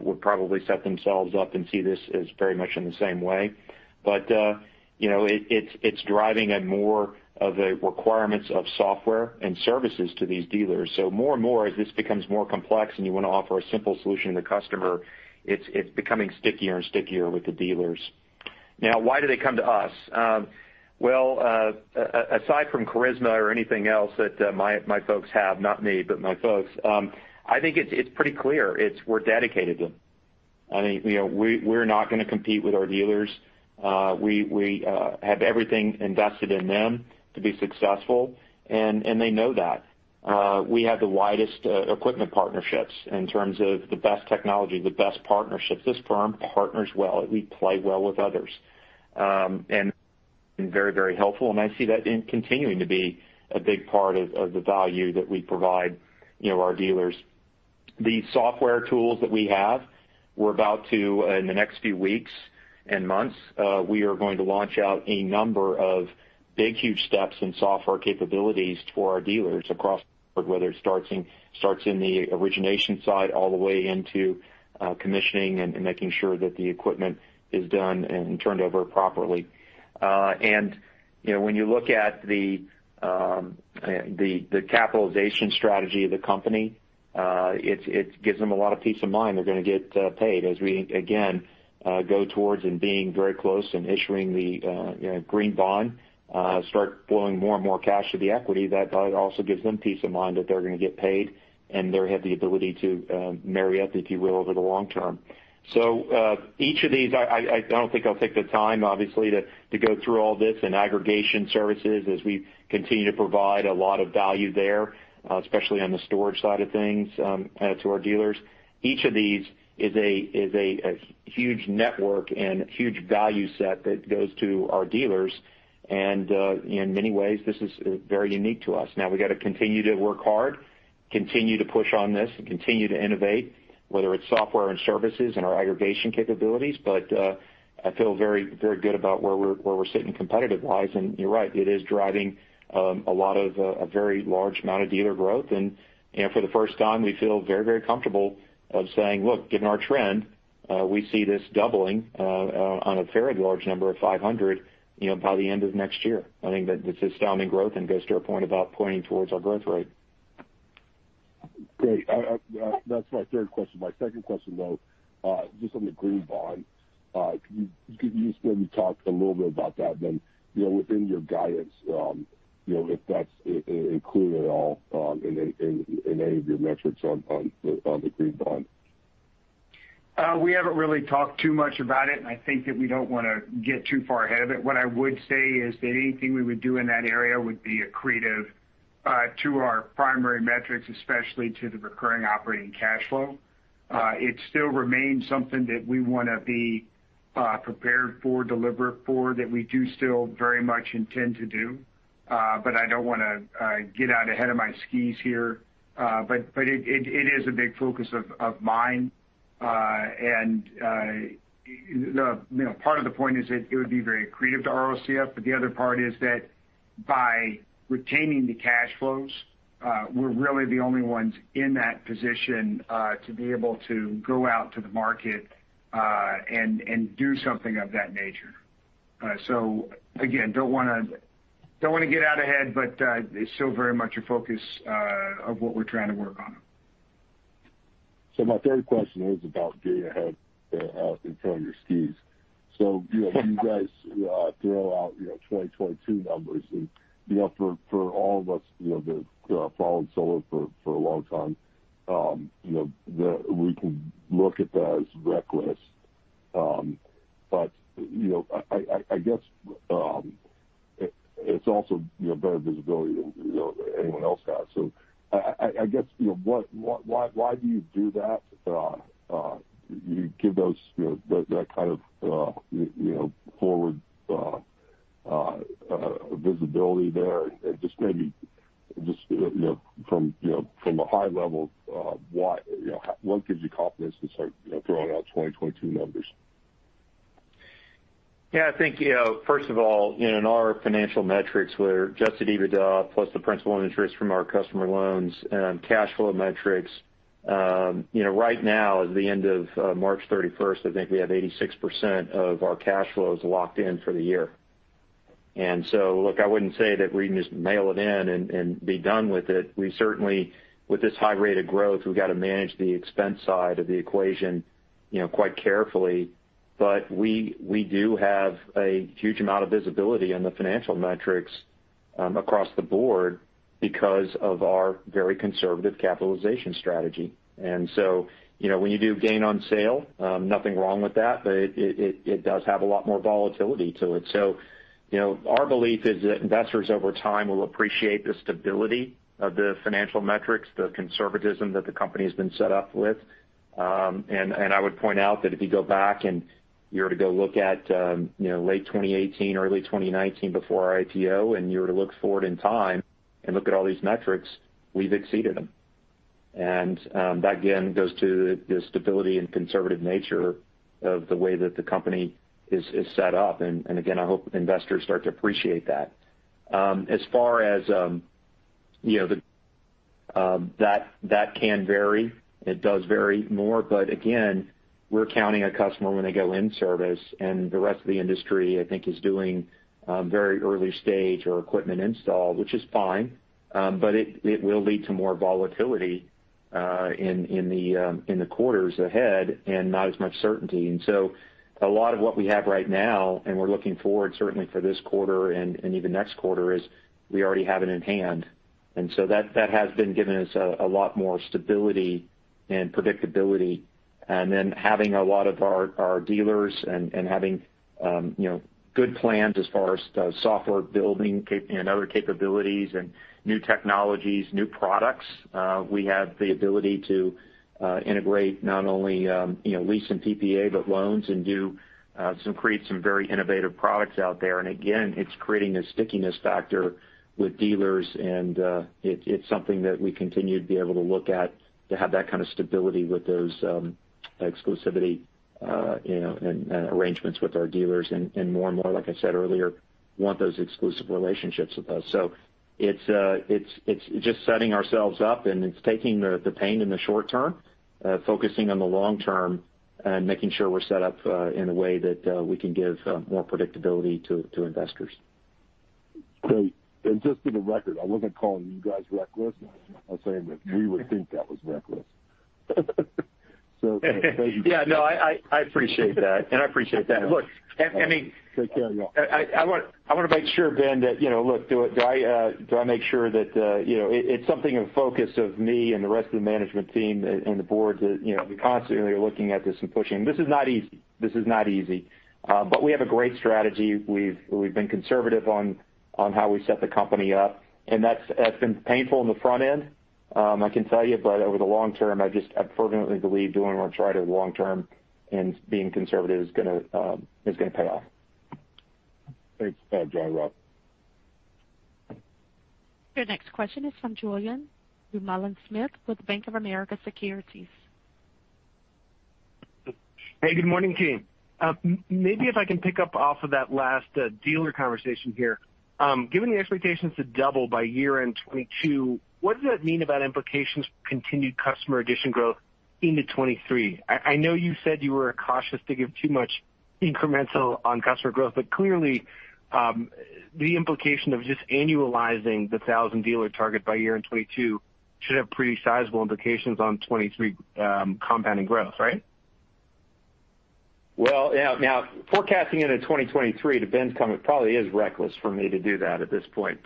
would probably set themselves up and see this as very much in the same way. It's driving at more of the requirements of software and services to these dealers. More and more, as this becomes more complex and you want to offer a simple solution to the customer, it's becoming stickier and stickier with the dealers. Now, why do they come to us? Well, aside from charisma or anything else that my folks have, not me, but my folks, I think it's pretty clear. It's we're dedicated to them. We're not going to compete with our dealers. We have everything invested in them to be successful, and they know that. We have the widest equipment partnerships in terms of the best technology, the best partnerships. This firm partners well. We play well with others. Very helpful, and I see that continuing to be a big part of the value that we provide our dealers. The software tools that we have, in the next few weeks and months, we are going to launch out a number of big, huge steps in software capabilities for our dealers across the board, whether it starts in the origination side all the way into commissioning and making sure that the equipment is done and turned over properly. When you look at the capitalization strategy of the company, it gives them a lot of peace of mind they're going to get paid as we, again, go towards and being very close and issuing the green bond, start flowing more and more cash to the equity. That also gives them peace of mind that they're going to get paid, and they have the ability to marry up, if you will, over the long term. Each of these, I don't think I'll take the time, obviously, to go through all this and aggregation services as we continue to provide a lot of value there, especially on the storage side of things, to our dealers. Each of these is a huge network and huge value set that goes to our dealers. In many ways, this is very unique to us. Now we got to continue to work hard, continue to push on this, and continue to innovate, whether it's software and services and our aggregation capabilities. I feel very good about where we're sitting competitive-wise. You're right, it is driving a very large amount of dealer growth. For the first time, we feel very comfortable saying, look, given our trend, we see this doubling on a very large number of 500 by the end of next year. I think that's astounding growth and goes to our point about pointing towards our growth rate. Great. That's my third question. My second question, though, just on the green bond. Can you just maybe talk a little bit about that then within your guidance, if that's included at all in any of your metrics on the green bond? We haven't really talked too much about it. I think that we don't want to get too far ahead of it. What I would say is that anything we would do in that area would be accretive to our primary metrics, especially to the recurring operating cash flow. It still remains something that we want to be prepared for, deliver for, that we do still very much intend to do. I don't want to get out ahead of my skis here. It is a big focus of mine. Part of the point is that it would be very accretive to ROCF, but the other part is that by retaining the cash flows, we're really the only ones in that position to be able to go out to the market and do something of that nature. Again, don't want to get out ahead, but it's still very much a focus of what we're trying to work on. My third question is about getting ahead out in front of your skis. You guys throw out 2022 numbers, and for all of us that have followed solar for a long time. We can look at that as reckless. I guess it's also better visibility than anyone else has. I guess, why do you do that? You give that kind of forward visibility there and just maybe just from a high level, what gives you confidence to start throwing out 2022 numbers? Yeah, I think, first of all, in our financial metrics, we're adjusted EBITDA plus the principal and interest from our customer loans and cash flow metrics. Right now, as of the end of March 31st, I think we have 86% of our cash flows locked in for the year. Look, I wouldn't say that we can just mail it in and be done with it. We certainly, with this high rate of growth, we've got to manage the expense side of the equation quite carefully. We do have a huge amount of visibility on the financial metrics across the board because of our very conservative capitalization strategy. When you do gain on sale, nothing wrong with that, but it does have a lot more volatility to it. Our belief is that investors over time will appreciate the stability of the financial metrics, the conservatism that the company has been set up with. I would point out that if you go back and you were to go look at late 2018, early 2019 before our IPO, and you were to look forward in time and look at all these metrics, we've exceeded them. That, again, goes to the stability and conservative nature of the way that the company is set up. Again, I hope investors start to appreciate that. As far as that can vary, it does vary more, but again, we're counting a customer when they go in service, and the rest of the industry, I think, is doing very early stage or equipment install, which is fine. It will lead to more volatility in the quarters ahead and not as much certainty. A lot of what we have right now, and we're looking forward certainly for this quarter and even next quarter, is we already have it in hand. That has been giving us a lot more stability and predictability. Having a lot of our dealers and having good plans as far as software building and other capabilities and new technologies, new products. We have the ability to integrate not only lease and PPA, but loans and create some very innovative products out there. Again, it's creating a stickiness factor with dealers, and it's something that we continue to be able to look at to have that kind of stability with those exclusivity and arrangements with our dealers. More and more, like I said earlier, want those exclusive relationships with us. It's just setting ourselves up, and it's taking the pain in the short term, focusing on the long term, and making sure we're set up in a way that we can give more predictability to investors. Great. Just for the record, I wasn't calling you guys reckless. I was saying that we would think that was reckless. Thank you. Yeah, no, I appreciate that. I appreciate that. Take care, y'all. I want to make sure, Ben, that look, do I make sure that it's something of focus of me and the rest of the management team and the board that we constantly are looking at this and pushing. This is not easy. We have a great strategy. We've been conservative on how we set the company up, and that's been painful on the front end, I can tell you. Over the long term, I just fervently believe doing what's right over the long term and being conservative is going to pay off. Thanks. Thanks a lot, John, Rob. Your next question is from Julien Dumoulin-Smith with Bank of America Securities. Hey, good morning, team. Maybe if I can pick up off of that last dealer conversation here. Given the expectations to double by year-end 2022, what does that mean about implications for continued customer addition growth into 2023? I know you said you were cautious to give too much incremental on customer growth, but clearly, the implication of just annualizing the 1,000-dealer target by year-end 2022 should have pretty sizable implications on 2023 compounding growth, right? Well, now forecasting into 2023, to Ben's comment, probably is reckless for me to do that at this point.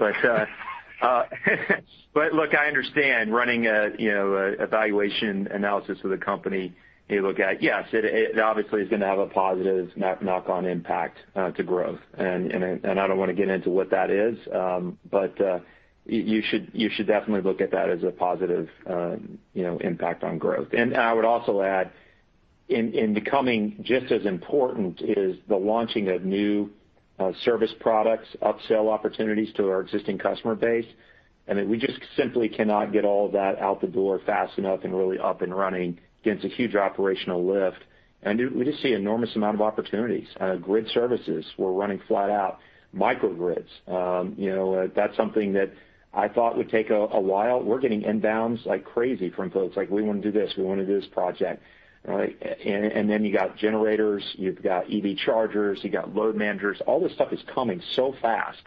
Look, I understand running a evaluation analysis of the company, you look at, yes, it obviously is going to have a positive knock-on impact to growth. I don't want to get into what that is. You should definitely look at that as a positive impact on growth. I would also add in becoming just as important is the launching of new service products, upsell opportunities to our existing customer base. That we just simply cannot get all that out the door fast enouhg and really up and running. Again, it's a huge operational lift. We just see enormous amount of opportunities. Grid services, we're running flat out. Microgrids. That's something that I thought would take a while. We're getting inbounds like crazy from folks like, "We want to do this. We want to do this project." Right? You got generators, you've got EV chargers, you got load managers. All this stuff is coming so fast.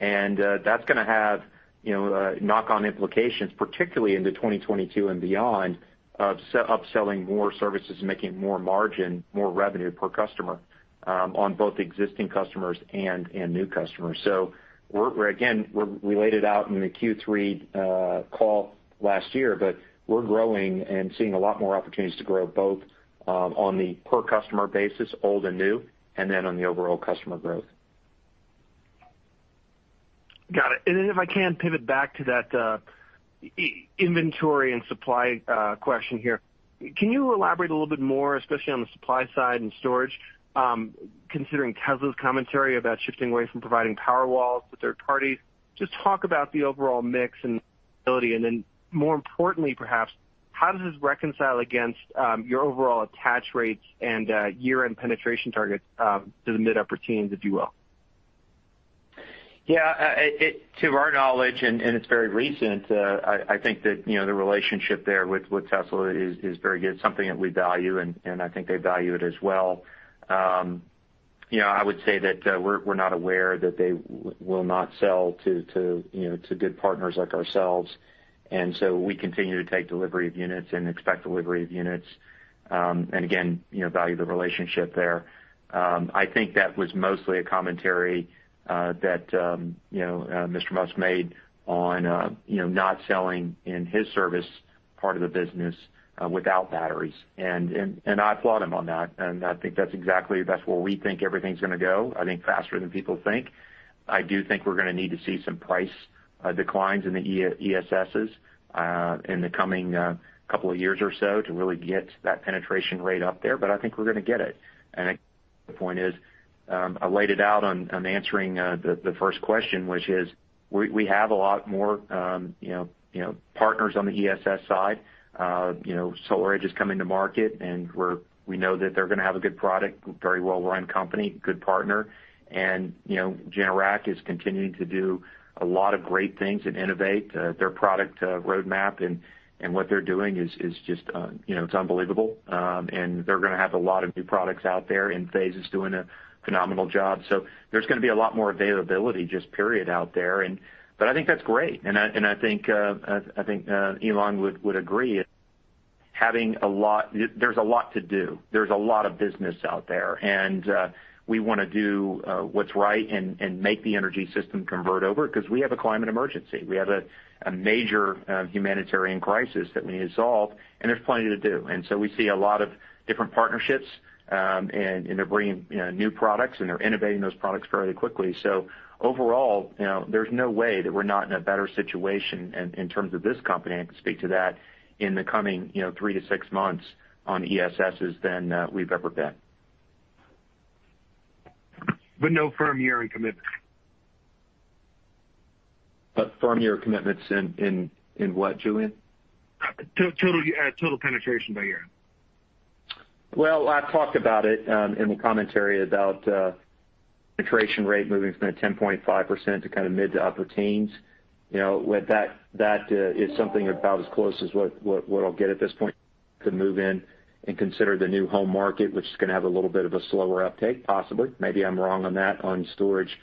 That's going to have knock-on implications, particularly into 2022 and beyond. Of upselling more services and making more margin, more revenue per customer on both existing customers and new customers. Again, we laid it out in the Q3 call last year, but we're growing and seeing a lot more opportunities to grow both on the per customer basis, old and new, and then on the overall customer growth. Got it. If I can pivot back to that inventory and supply question here, can you elaborate a little bit more, especially on the supply side and storage, considering Tesla's commentary about shifting away from providing Powerwall to third parties? Just talk about the overall mix and ability, more importantly perhaps, how does this reconcile against your overall attach rates and year-end penetration targets to the mid upper teens, if you will? Yeah. To our knowledge, and it's very recent, I think that the relationship there with Tesla is very good. Something that we value, and I think they value it as well. I would say that we're not aware that they will not sell to good partners like ourselves, and so we continue to take delivery of units and expect delivery of units. Again, value the relationship there. I think that was mostly a commentary that Mr. Musk made on not selling in his service part of the business without batteries. I applaud him on that, I think that's exactly where we think everything's going to go, I think faster than people think. I do think we're going to need to see some price declines in the ESSs in the coming couple of years or so to really get that penetration rate up there. I think we're going to get it. I think the point is, I laid it out on answering the first question, which is we have a lot more partners on the ESS side. SolarEdge is coming to market, and we know that they're going to have a good product, very well-run company, good partner. Generac is continuing to do a lot of great things and innovate their product roadmap, and what they're doing is just unbelievable. They're going to have a lot of new products out there, Enphase is doing a phenomenal job. There's going to be a lot more availability just period out there, but I think that's great. I think Elon would agree. There's a lot to do. There's a lot of business out there, and we want to do what's right and make the energy system convert over because we have a climate emergency. We have a major humanitarian crisis that we need to solve, and there's plenty to do. We see a lot of different partnerships, and they're bringing new products and they're innovating those products fairly quickly. Overall, there's no way that we're not in a better situation in terms of this company, I can speak to that, in the coming three to six months on ESSs than we've ever been. No firm year-end commitment? Firm year commitments in what, Julien? Total penetration by year. Well, I talked about it in the commentary about penetration rate moving from the 10.5% to mid to upper teens. That is something about as close as what I'll get at this point to move in and consider the new home market, which is going to have a little bit of a slower uptake, possibly. Maybe I'm wrong on that. On storage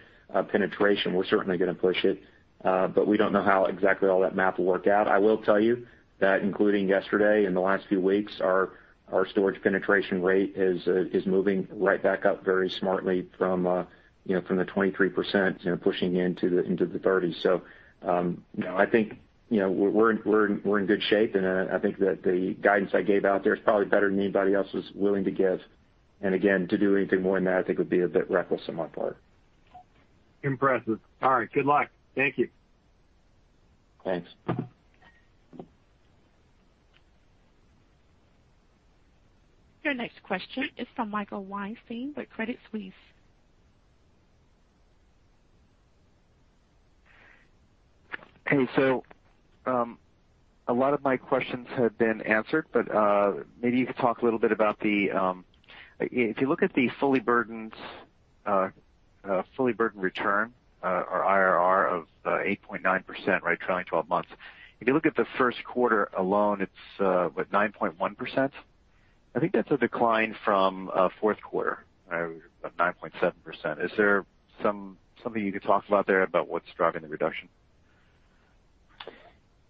penetration, we're certainly going to push it. We don't know how exactly all that math will work out. I will tell you that including yesterday, in the last few weeks, our storage penetration rate is moving right back up very smartly from the 23%, pushing into the 30s. I think we're in good shape, and I think that the guidance I gave out there is probably better than anybody else was willing to give. Again, to do anything more than that I think would be a bit reckless on my part. Impressive. All right. Good luck. Thank you. Thanks. Your next question is from Michael Weinstein with Credit Suisse. Hey. A lot of my questions have been answered, but maybe you could talk a little bit. If you look at the fully burdened return, or IRR of 8.9%, trailing 12 months. If you look at the first quarter alone, it's what? 9.1%? I think that's a decline from fourth quarter, about 9.7%. Is there something you could talk about there about what's driving the reduction? Yeah.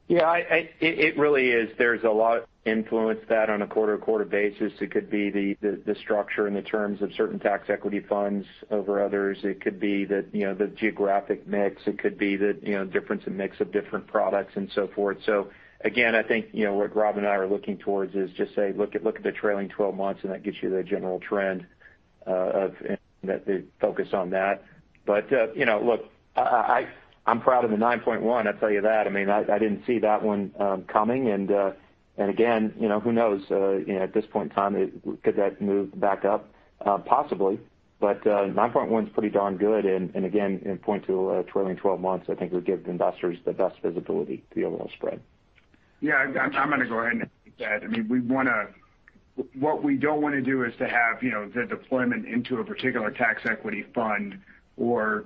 It really is. There's a lot influence that on a quarter-to-quarter basis. It could be the structure and the terms of certain tax equity funds over others. It could be the geographic mix. It could be the difference in mix of different products and so forth. Again, I think what Rob and I are looking towards is just say, look at the trailing 12 months and that gets you the general trend of the focus on that. Look, I'm proud of the 9.1, I'll tell you that. I didn't see that one coming. Again who knows? At this point in time, could that move back up? Possibly. 9.1's pretty darn good, and again, point to a trailing 12 months, I think would give investors the best visibility to the overall spread. Yeah, I'm going to go ahead and take that. What we don't want to do is to have the deployment into a particular tax equity fund or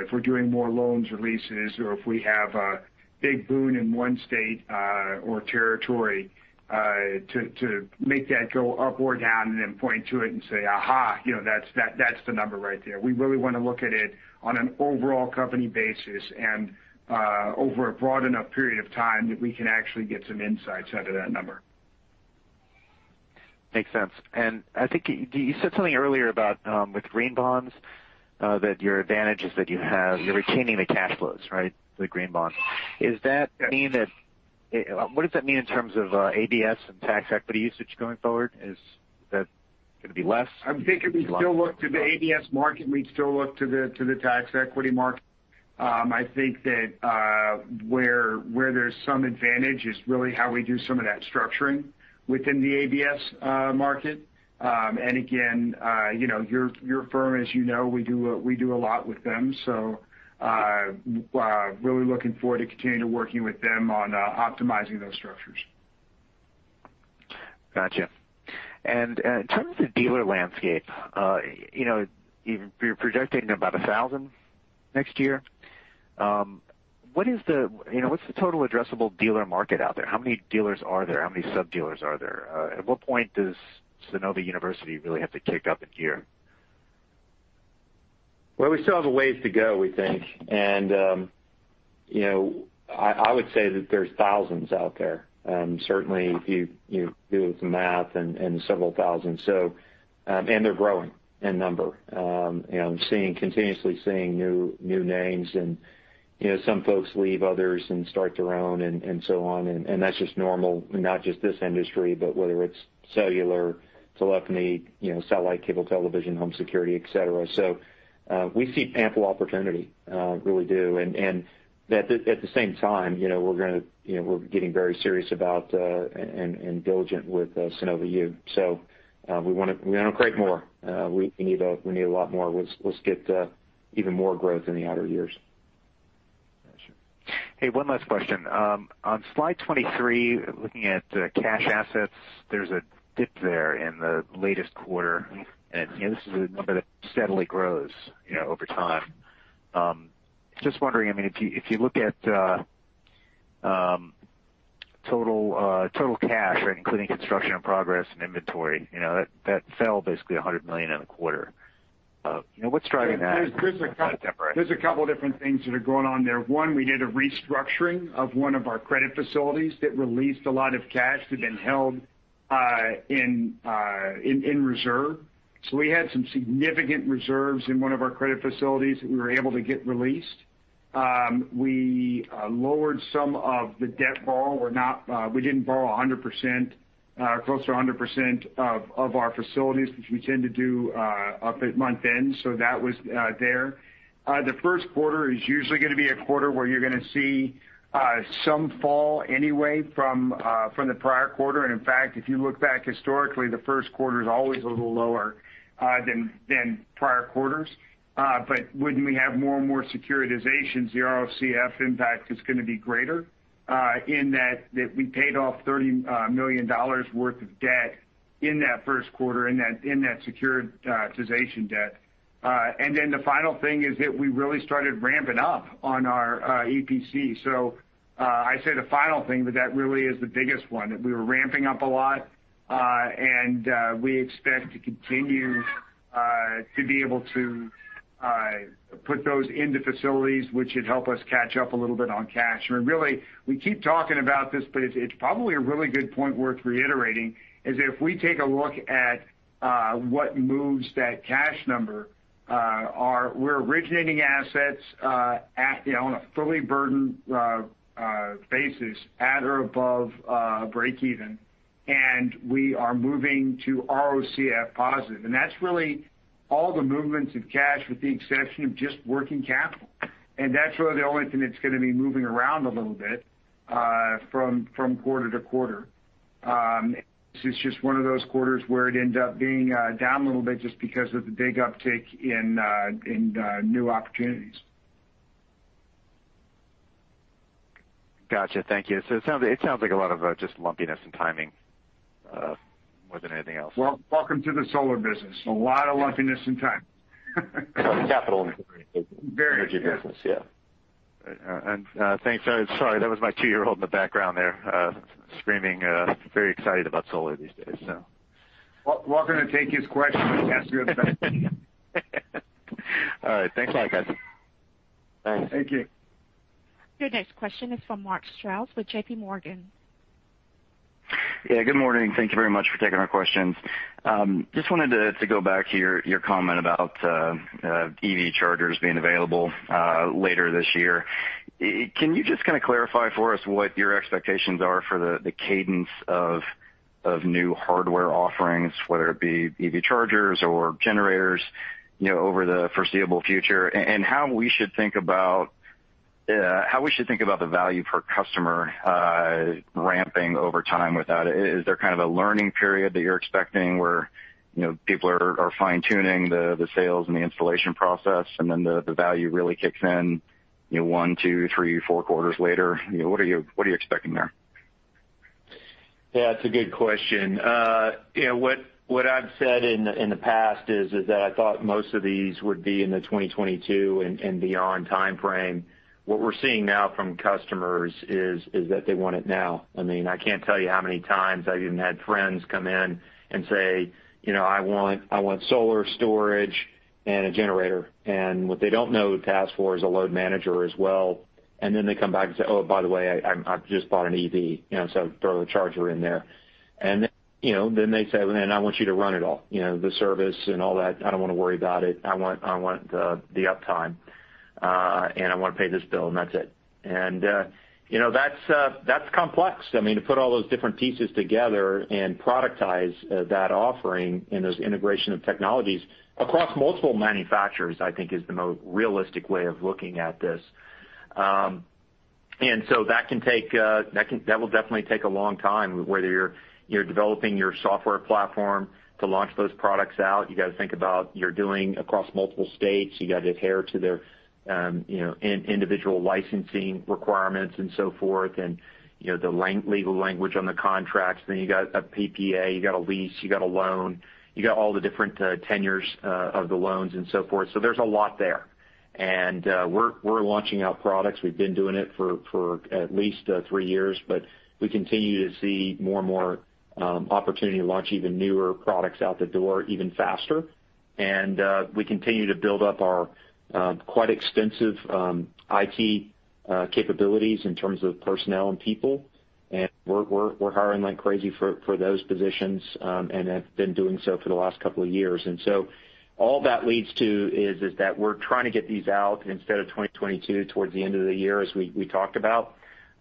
if we're doing more loans or leases or if we have a big boon in one state or territory, to make that go up or down and then point to it and say, "Aha, that's the number right there." We really want to look at it on an overall company basis and over a broad enough period of time that we can actually get some insights out of that number. Makes sense. I think you said something earlier about with green bonds, that your advantage is that you're retaining the cash flows. Right? The green bond. Yes. What does that mean in terms of ABS and tax equity usage going forward? Is that going to be less? I'm thinking we still look to the ABS market, and we still look to the tax equity market. I think that where there's some advantage is really how we do some of that structuring within the ABS market. Again, your firm, as you know, we do a lot with them, so really looking forward to continuing working with them on optimizing those structures. Got you. In terms of dealer landscape, you're projecting about 1,000 next year. What's the total addressable dealer market out there? How many dealers are there? How many sub-dealers are there? At what point does Sunnova University really have to kick up a gear? We still have a ways to go, we think. I would say that there's thousands out there. Certainly, if you do the math several thousand. They're growing in number. Continuously seeing new names and some folks leave others and start their own and so on. That's just normal, not just this industry, but whether it's cellular, telephony, satellite cable television, home security, et cetera. We see ample opportunity, really do. At the same time, we're getting very serious about and diligent with Sunnova University. We want to create more. We need a lot more. Let's get even more growth in the outer years. Got you. Hey, one last question. On slide 23, looking at cash assets, there's a dip there in the latest quarter, and this is a number that steadily grows over time. Just wondering, if you look at total cash, including construction and progress and inventory, that fell basically $100 million in a quarter. What's driving that? There's a couple of different things that are going on there. One, we did a restructuring of one of our credit facilities that released a lot of cash that had been held in reserve. We had some significant reserves in one of our credit facilities that we were able to get released. We lowered some of the debt borrow. We didn't borrow 100%, close to 100% of our facilities, which we tend to do up at month end. That was there. The first quarter is usually going to be a quarter where you're going to see some fall anyway from the prior quarter. In fact, if you look back historically, the first quarter is always a little lower than prior quarters. When we have more and more securitizations, the ROCF impact is going to be greater in that we paid off $30 million worth of debt in that first quarter in that securitization debt. The final thing is that we really started ramping up on our EPC. I say the final thing, but that really is the biggest one, that we were ramping up a lot. We expect to continue to be able to put those into facilities, which should help us catch up a little bit on cash. Really, we keep talking about this, but it's probably a really good point worth reiterating, is if we take a look at what moves that cash number, we're originating assets on a fully burdened basis at or above breakeven, and we are moving to ROCF positive. That's really all the movements of cash with the exception of just working capital. That's really the only thing that's going to be moving around a little bit from quarter to quarter. This is just one of those quarters where it ends up being down a little bit just because of the big uptick in new opportunities. Got you. Thank you. It sounds like a lot of just lumpiness and timing more than anything else. Well, welcome to the solar business. A lot of lumpiness and timing. Capital energy business. Yeah. Thanks. Sorry, that was my two-year-old in the background there, screaming. Very excited about solar these days. Welcome to take his question, but ask you. All right. Thanks a lot, guys. Thanks. Thank you. Your next question is from Mark Strouse with JPMorgan. Yeah. Good morning. Thank you very much for taking our questions. Just wanted to go back to your comment about EV chargers being available later this year. Can you just kind of clarify for us what your expectations are for the cadence of new hardware offerings, whether it be EV chargers or generators over the foreseeable future, and how we should think about the value per customer ramping over time with that? Is there kind of a learning period that you're expecting where people are fine-tuning the sales and the installation process and then the value really kicks in one, two, three, four quarters later? What are you expecting there? Yeah, it's a good question. What I've said in the past is that I thought most of these would be in the 2022 and beyond timeframe. What we're seeing now from customers is that they want it now. I can't tell you how many times I've even had friends come in and say, "I want solar storage. A generator." What they don't know to ask for is a load manager as well. They come back and say, "Oh, by the way, I've just bought an EV." Throw the charger in there. They say, "I want you to run it all. The service and all that, I don't want to worry about it. I want the uptime. I want to pay this bill, and that's it." That's complex. I mean, to put all those different pieces together and productize that offering and those integration of technologies across multiple manufacturers, I think is the most realistic way of looking at this. That will definitely take a long time, whether you're developing your software platform to launch those products out. You got to think about you're dealing across multiple states. You got to adhere to their individual licensing requirements and so forth. And the legal language on the contracts. You got a PPA, you got a lease, you got a loan, you got all the different tenures of the loans and so forth. There's a lot there. We're launching out products. We've been doing it for at least three years, but we continue to see more and more opportunity to launch even newer products out the door even faster. We continue to build up our quite extensive IT capabilities in terms of personnel and people. We're hiring like crazy for those positions, and have been doing so for the last couple of years. All that leads to is that we're trying to get these out instead of 2022, towards the end of the year, as we talked about.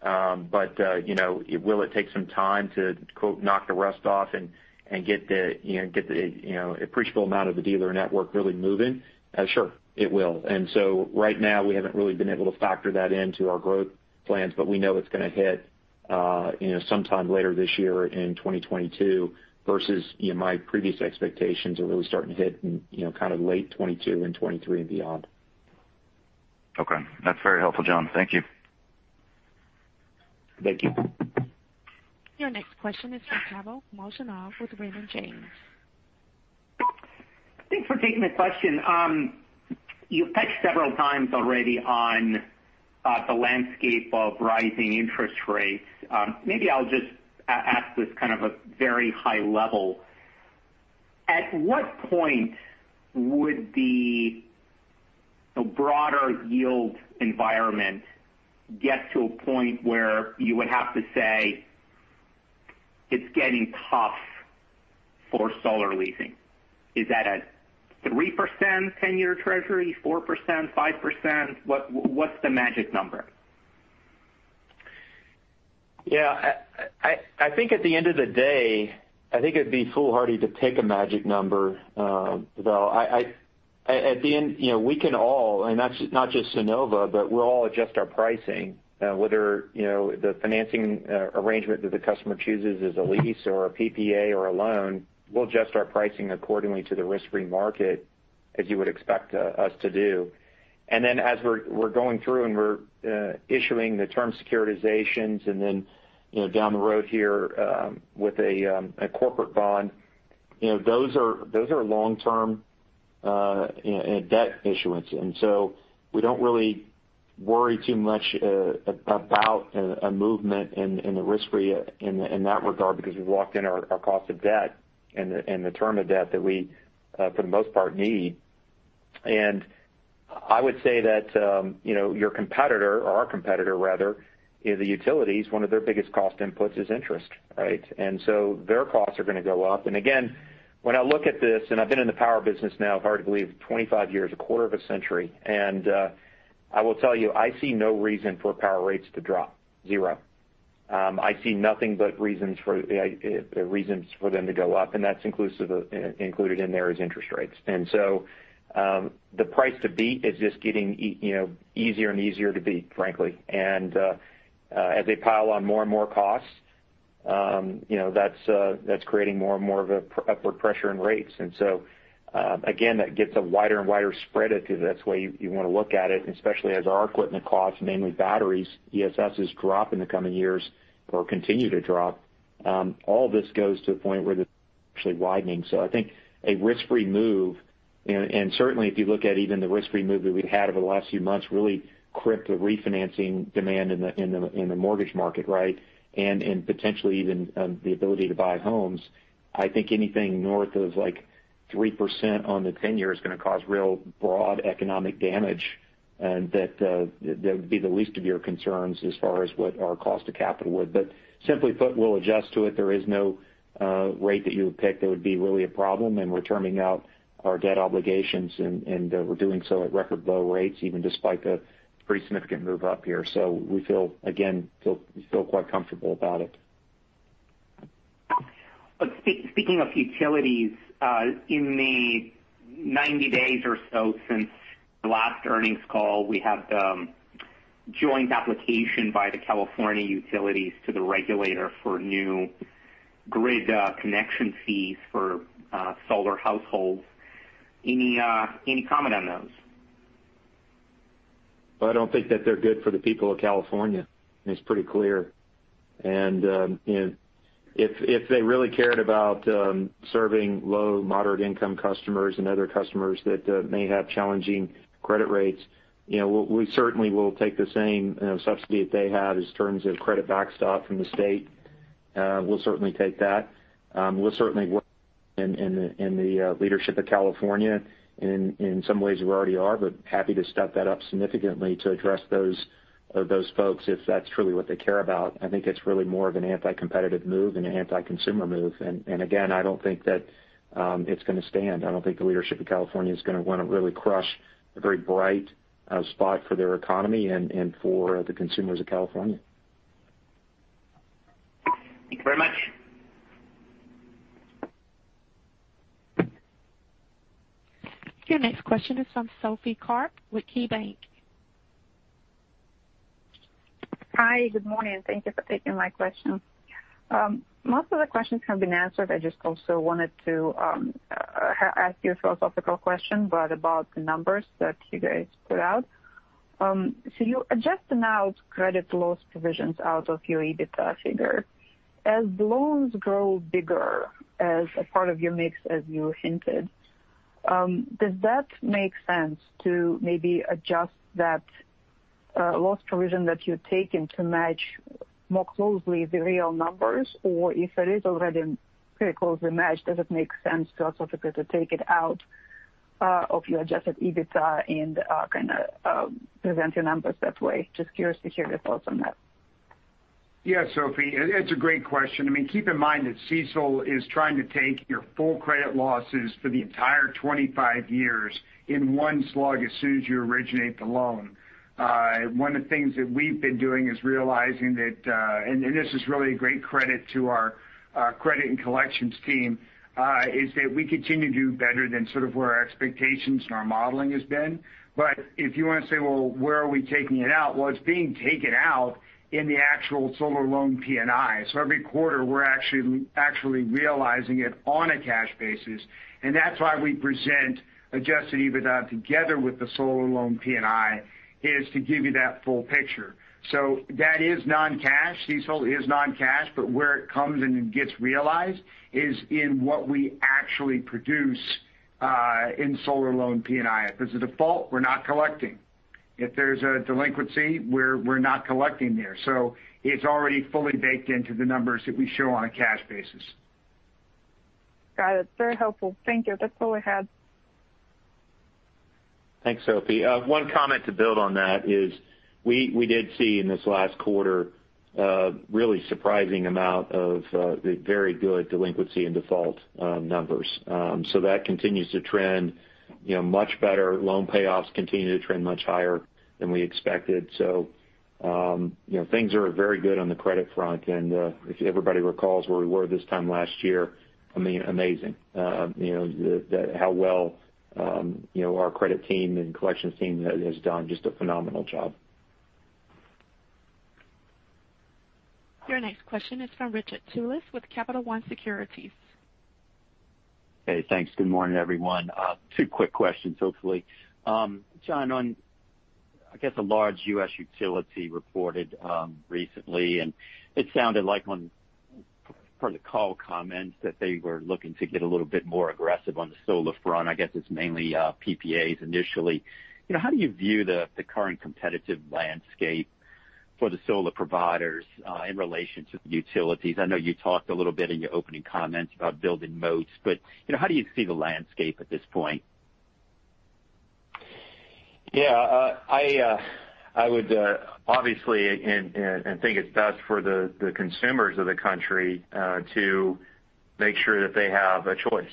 Will it take some time to "knock the rust off" and get the appreciable amount of the dealer network really moving? Sure, it will. Right now, we haven't really been able to factor that into our growth plans, but we know it's going to hit sometime later this year in 2022 versus my previous expectations are really starting to hit in kind of late 2022 and 2023 and beyond. Okay. That's very helpful, John. Thank you. Thank you. Your next question is from Pavel Molchanov with Raymond James. Thanks for taking the question. You've touched several times already on the landscape of rising interest rates. Maybe I'll just ask this kind of a very high level. At what point would the broader yield environment get to a point where you would have to say it's getting tough for solar leasing? Is that at 3% 10-year Treasury, 4%, 5%? What's the magic number? I think at the end of the day, I think it'd be foolhardy to pick a magic number, Pavel. We can all, and not just Sunnova, but we'll all adjust our pricing. Whether the financing arrangement that the customer chooses is a lease or a PPA or a loan, we'll adjust our pricing accordingly to the risk-free market as you would expect us to do. As we're going through and we're issuing the term securitizations and then down the road here with a corporate bond, those are long-term debt issuance. We don't really worry too much about a movement in the risk-free in that regard because we've locked in our cost of debt and the term of debt that we for the most part need. I would say that your competitor, or our competitor rather, the utilities, one of their biggest cost inputs is interest, right? Their costs are going to go up. Again, when I look at this, I've been in the power business now, hard to believe, 25 years, a quarter of a century. I will tell you, I see no reason for power rates to drop. Zero. I see nothing but reasons for them to go up, and that's included in there is interest rates. The price to beat is just getting easier and easier to beat, frankly. As they pile on more and more costs, that's creating more and more of a upward pressure in rates. Again, that gets a wider and wider spread if that's the way you want to look at it. Especially as our equipment costs, namely batteries, ESSs drop in the coming years or continue to drop. All this goes to a point where they're actually widening. I think a risk-free move, and certainly if you look at even the risk-free move that we've had over the last few months really crippled the refinancing demand in the mortgage market, right. Potentially even the ability to buy homes. I think anything north of 3% on the 10-year is going to cause real broad economic damage. That would be the least of your concerns as far as what our cost of capital would. Simply put, we'll adjust to it. There is no rate that you would pick that would be really a problem, and we're terming out our debt obligations and we're doing so at record low rates, even despite the pretty significant move up here. We feel quite comfortable about it. Speaking of utilities, in the 90 days or so since the last earnings call, we have the joint application by the California utilities to the regulator for new grid connection fees for solar households. Any comment on those? Well, I don't think that they're good for the people of California. It's pretty clear. If they really cared about serving low, moderate income customers and other customers that may have challenging credit rates, we certainly will take the same subsidy that they had in terms of credit backstop from the state. We'll certainly take that. We'll certainly work in the leadership of California in some ways we already are, but happy to step that up significantly to address those folks if that's truly what they care about. I think it's really more of an anti-competitive move than an anti-consumer move. Again, I don't think that it's going to stand. I don't think the leadership of California is going to want to really crush a very bright spot for their economy and for the consumers of California. Thank you very much. Your next question is from Sophie Karp with KeyBanc. Hi, good morning. Thank you for taking my question. Most of the questions have been answered. I just also wanted to ask you a philosophical question about the numbers that you guys put out. You adjust amount credit loss provisions out of your EBITDA figure. As loans grow bigger as a part of your mix, as you hinted, does that make sense to maybe adjust that loss provision that you're taking to match more closely the real numbers? If it is already pretty closely matched, does it make sense philosophically to take it out of your adjusted EBITDA and kind of present your numbers that way? Just curious to hear your thoughts on that. Yeah, Sophie, it's a great question. Keep in mind that CECL is trying to take your full credit losses for the entire 25 years in one slug as soon as you originate the loan. One of the things that we've been doing is realizing that, and this is really a great credit to our credit and collections team, is that we continue to do better than sort of where our expectations and our modeling has been. If you want to say, "Well, where are we taking it out?" Well, it's being taken out in the actual solar loan P&I. Every quarter, we're actually realizing it on a cash basis, and that's why we present adjusted EBITDA together with the solar loan P&I, is to give you that full picture. That is non-cash. CECL is non-cash, where it comes and gets realized is in what we actually produce, in solar loan P&I. If there's a default, we're not collecting. If there's a delinquency, we're not collecting there. It's already fully baked into the numbers that we show on a cash basis. Got it. Very helpful. Thank you. That's all I had. Thanks, Sophie. One comment to build on that is we did see in this last quarter a really surprising amount of the very good delinquency and default numbers. That continues to trend much better. Loan payoffs continue to trend much higher than we expected. Things are very good on the credit front, and if everybody recalls where we were this time last year, I mean, amazing how well our credit team and collections team has done just a phenomenal job. Your next question is from Richard Tullis with Capital One Securities. Hey, thanks. Good morning, everyone. Two quick questions, hopefully. John, on, I guess a large U.S. utility reported recently. It sounded like from the call comments that they were looking to get a little bit more aggressive on the solar front. I guess it's mainly PPAs initially. How do you view the current competitive landscape for the solar providers in relation to the utilities? I know you talked a little bit in your opening comments about building moats, but how do you see the landscape at this point? Yeah. I would obviously think it's best for the consumers of the country to make sure that they have a choice.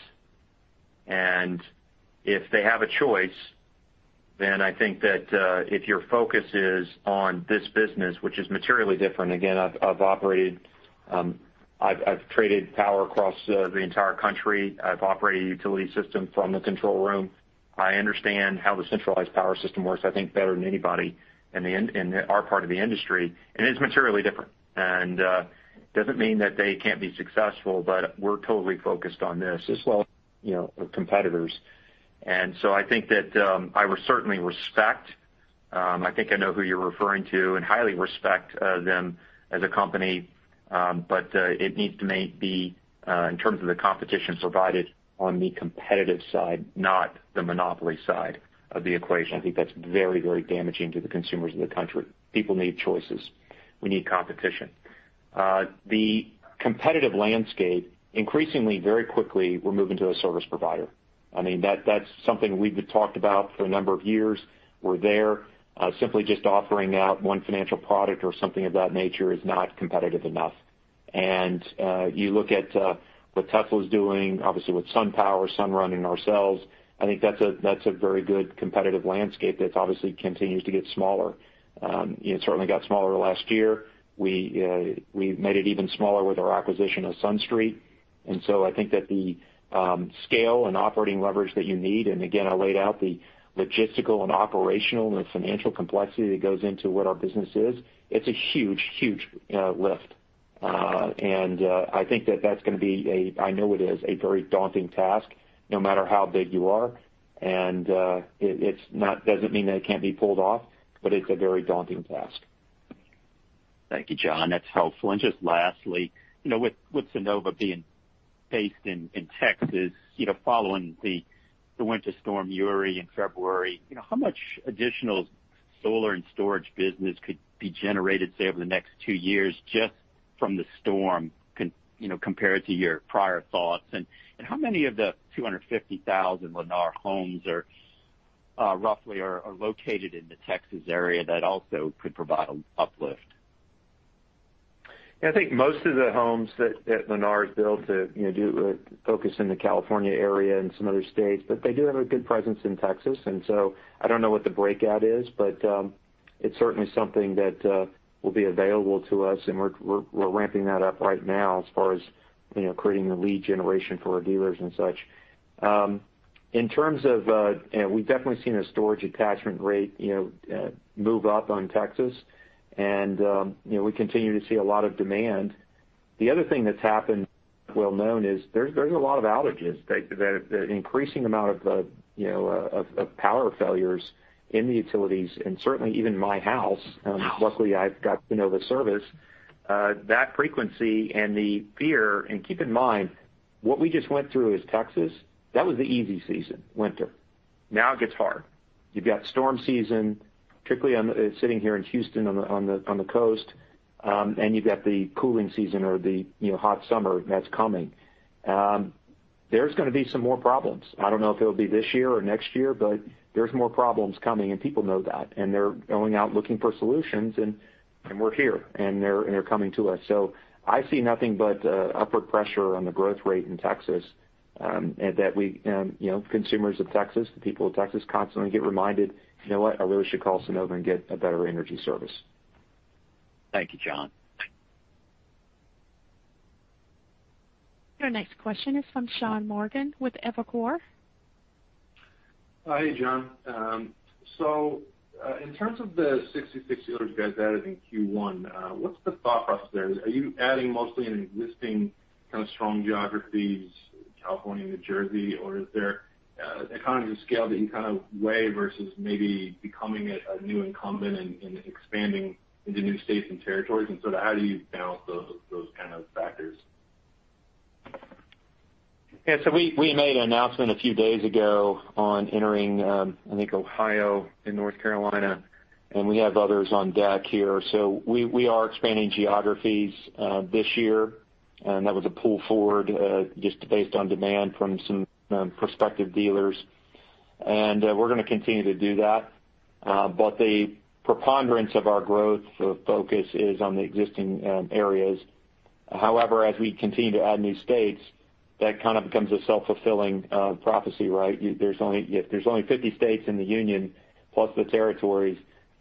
If they have a choice, I think that if your focus is on this business, which is materially different, again, I've operated, I've traded power across the entire country. I've operated a utility system from the control room. I understand how the centralized power system works, I think, better than anybody in our part of the industry. It's materially different. Doesn't mean that they can't be successful, but we're totally focused on this as well as competitors. I think that I would certainly respect, I think I know who you're referring to and highly respect them as a company. It needs to be, in terms of the competition provided on the competitive side, not the monopoly side of the equation. I think that's very, very damaging to the consumers of the country. People need choices. We need competition. The competitive landscape, increasingly, very quickly, we're moving to a service provider. That's something we've talked about for a number of years. We're there. Simply just offering out one financial product or something of that nature is not competitive enough. You look at what Tesla's doing, obviously with SunPower, Sunrun, and ourselves, I think that's a very good competitive landscape that obviously continues to get smaller. It certainly got smaller last year. We made it even smaller with our acquisition of SunStreet. I think that the scale and operating leverage that you need, and again, I laid out the logistical and operational and the financial complexity that goes into what our business is. It's a huge lift. I think that's going to be a, I know it is, a very daunting task no matter how big you are. It doesn't mean that it can't be pulled off, but it's a very daunting task. Thank you, John. That's helpful. Just lastly, with Sunnova being based in Texas following the Winter Storm Uri in February, how much additional solar and storage business could be generated, say, over the next two years just from the storm compared to your prior thoughts? How many of the 250,000 Lennar homes roughly are located in the Texas area that also could provide an uplift? I think most of the homes that Lennar has built focus in the California area and some other states, but they do have a good presence in Texas. I don't know what the breakout is, but it's certainly something that will be available to us, and we're ramping that up right now as far as creating the lead generation for our dealers and such. We've definitely seen a storage attachment rate move up on Texas, and we continue to see a lot of demand. The other thing that's happened, well-known, is there's a lot of outages. The increasing amount of power failures in the utilities, and certainly even my house. Luckily, I've got Sunnova service. That frequency and the fear, and keep in mind, what we just went through as Texas, that was the easy season, winter. Now it gets hard. You've got storm season, particularly sitting here in Houston on the coast, and you've got the cooling season or the hot summer that's coming. There's going to be some more problems. I don't know if it'll be this year or next year, but there's more problems coming, and people know that, and they're going out looking for solutions, and we're here, and they're coming to us. I see nothing but upward pressure on the growth rate in Texas. Consumers of Texas, the people of Texas constantly get reminded, "You know what? I really should call Sunnova and get a better energy service. Thank you, John. Your next question is from Sean Morgan with Evercore. Hey, John. In terms of the 66 dealers you guys added in Q1, what's the thought process there? Are you adding mostly in existing kind of strong geographies, California, New Jersey, or is there economies of scale that you kind of weigh versus maybe becoming a new incumbent and expanding into new states and territories, how do you balance those kind of factors? Yeah, we made an announcement a few days ago on entering, I think, Ohio and North Carolina, and we have others on deck here. We are expanding geographies this year. That was a pull forward just based on demand from some prospective dealers. We're going to continue to do that. The preponderance of our growth focus is on the existing areas. However, as we continue to add new states, that kind of becomes a self-fulfilling prophecy, right? There's only 50 states in the Union plus the territories.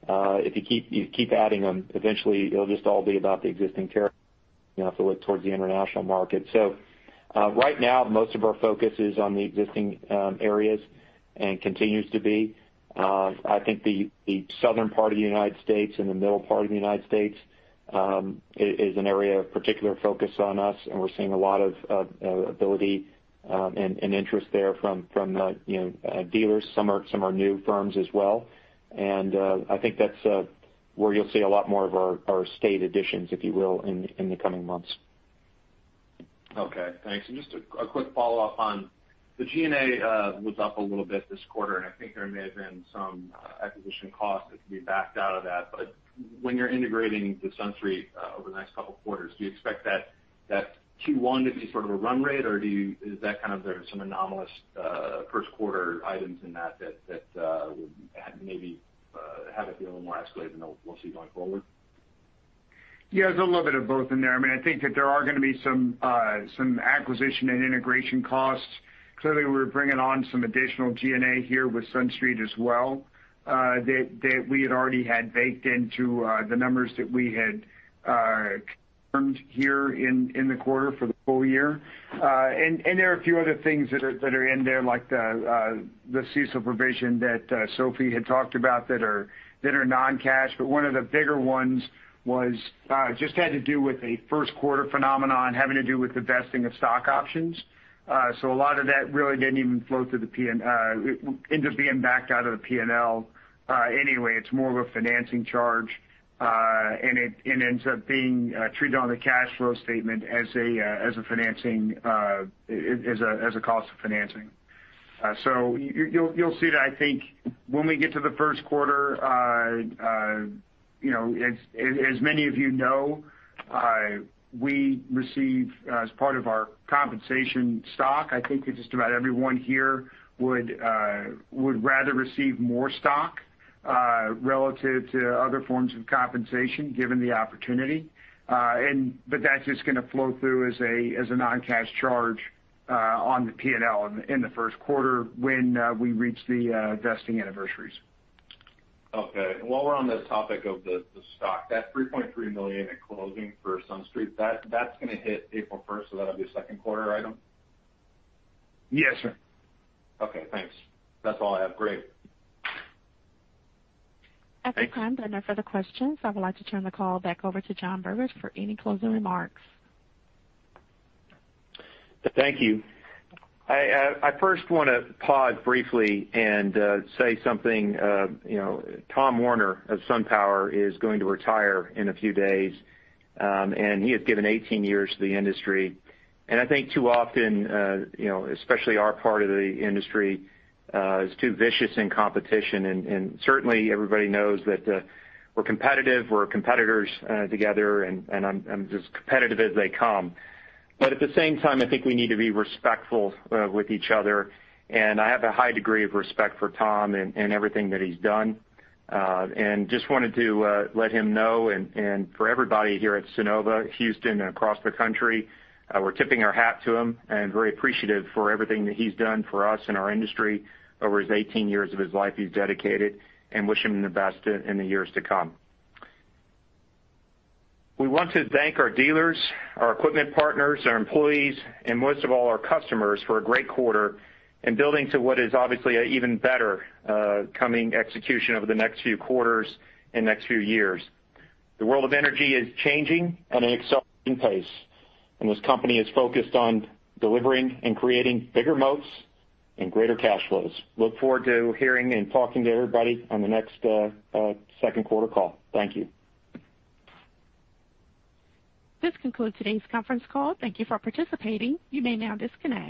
If you keep adding them, eventually it'll just all be about the existing territories. You don't have to look towards the international market. Right now, most of our focus is on the existing areas and continues to be. I think the southern part of the U.S. and the middle part of the U.S. is an area of particular focus on us, we're seeing a lot of ability and interest there from dealers. Some are new firms as well. I think that's where you'll see a lot more of our state additions, if you will, in the coming months. Okay, thanks. Just a quick follow-up on the G&A was up a little bit this quarter, I think there may have been some acquisition costs that could be backed out of that. When you're integrating with SunStreet over the next couple of quarters, do you expect that Q1 to be sort of a run rate, or is that kind of there's some anomalous first quarter items in that that would maybe have it be a little more escalated than we'll see going forward? There's a little bit of both in there. I think that there are going to be some acquisition and integration costs. Clearly, we're bringing on some additional G&A here with SunStreet as well that we had already had baked into the numbers that we had confirmed here in the quarter for the full year. There are a few other things that are in there, like the CECL provision that Sophie had talked about that are non-cash. One of the bigger ones just had to do with a first-quarter phenomenon having to do with the vesting of stock options. A lot of that really ended up being backed out of the P&L anyway. It's more of a financing charge, and it ends up being treated on the cash flow statement as a cost of financing. You'll see that, I think, when we get to the first quarter. As many of you know, we receive, as part of our compensation, stock. I think that just about everyone here would rather receive more stock relative to other forms of compensation, given the opportunity. That's just going to flow through as a non-cash charge on the P&L in the first quarter when we reach the vesting anniversaries. Okay. While we're on the topic of the stock, that $3.3 million in closing for SunStreet, that's going to hit April 1st, so that'll be a second-quarter item? Yes, sir. Okay, thanks. That's all I have. Great. Thanks. At this time, there are no further questions. I would like to turn the call back over to John Berger for any closing remarks. Thank you. I first want to pause briefly and say something. Tom Werner of SunPower is going to retire in a few days. He has given 18 years to the industry. I think too often, especially our part of the industry, is too vicious in competition, and certainly everybody knows that we're competitive, we're competitors together, and I'm as competitive as they come. At the same time, I think we need to be respectful with each other. I have a high degree of respect for Tom and everything that he's done. Just wanted to let him know, and for everybody here at Sunnova, Houston, and across the country, we're tipping our hat to him and very appreciative for everything that he's done for us and our industry over his 18 years of his life he's dedicated and wish him the best in the years to come. We want to thank our dealers, our equipment partners, our employees, and most of all, our customers for a great quarter and building to what is obviously an even better coming execution over the next few quarters and next few years. The world of energy is changing at an accelerating pace, this company is focused on delivering and creating bigger moats and greater cash flows. Look forward to hearing and talking to everybody on the next second quarter call. Thank you. This concludes today's conference call. Thank you for participating. You may now disconnect.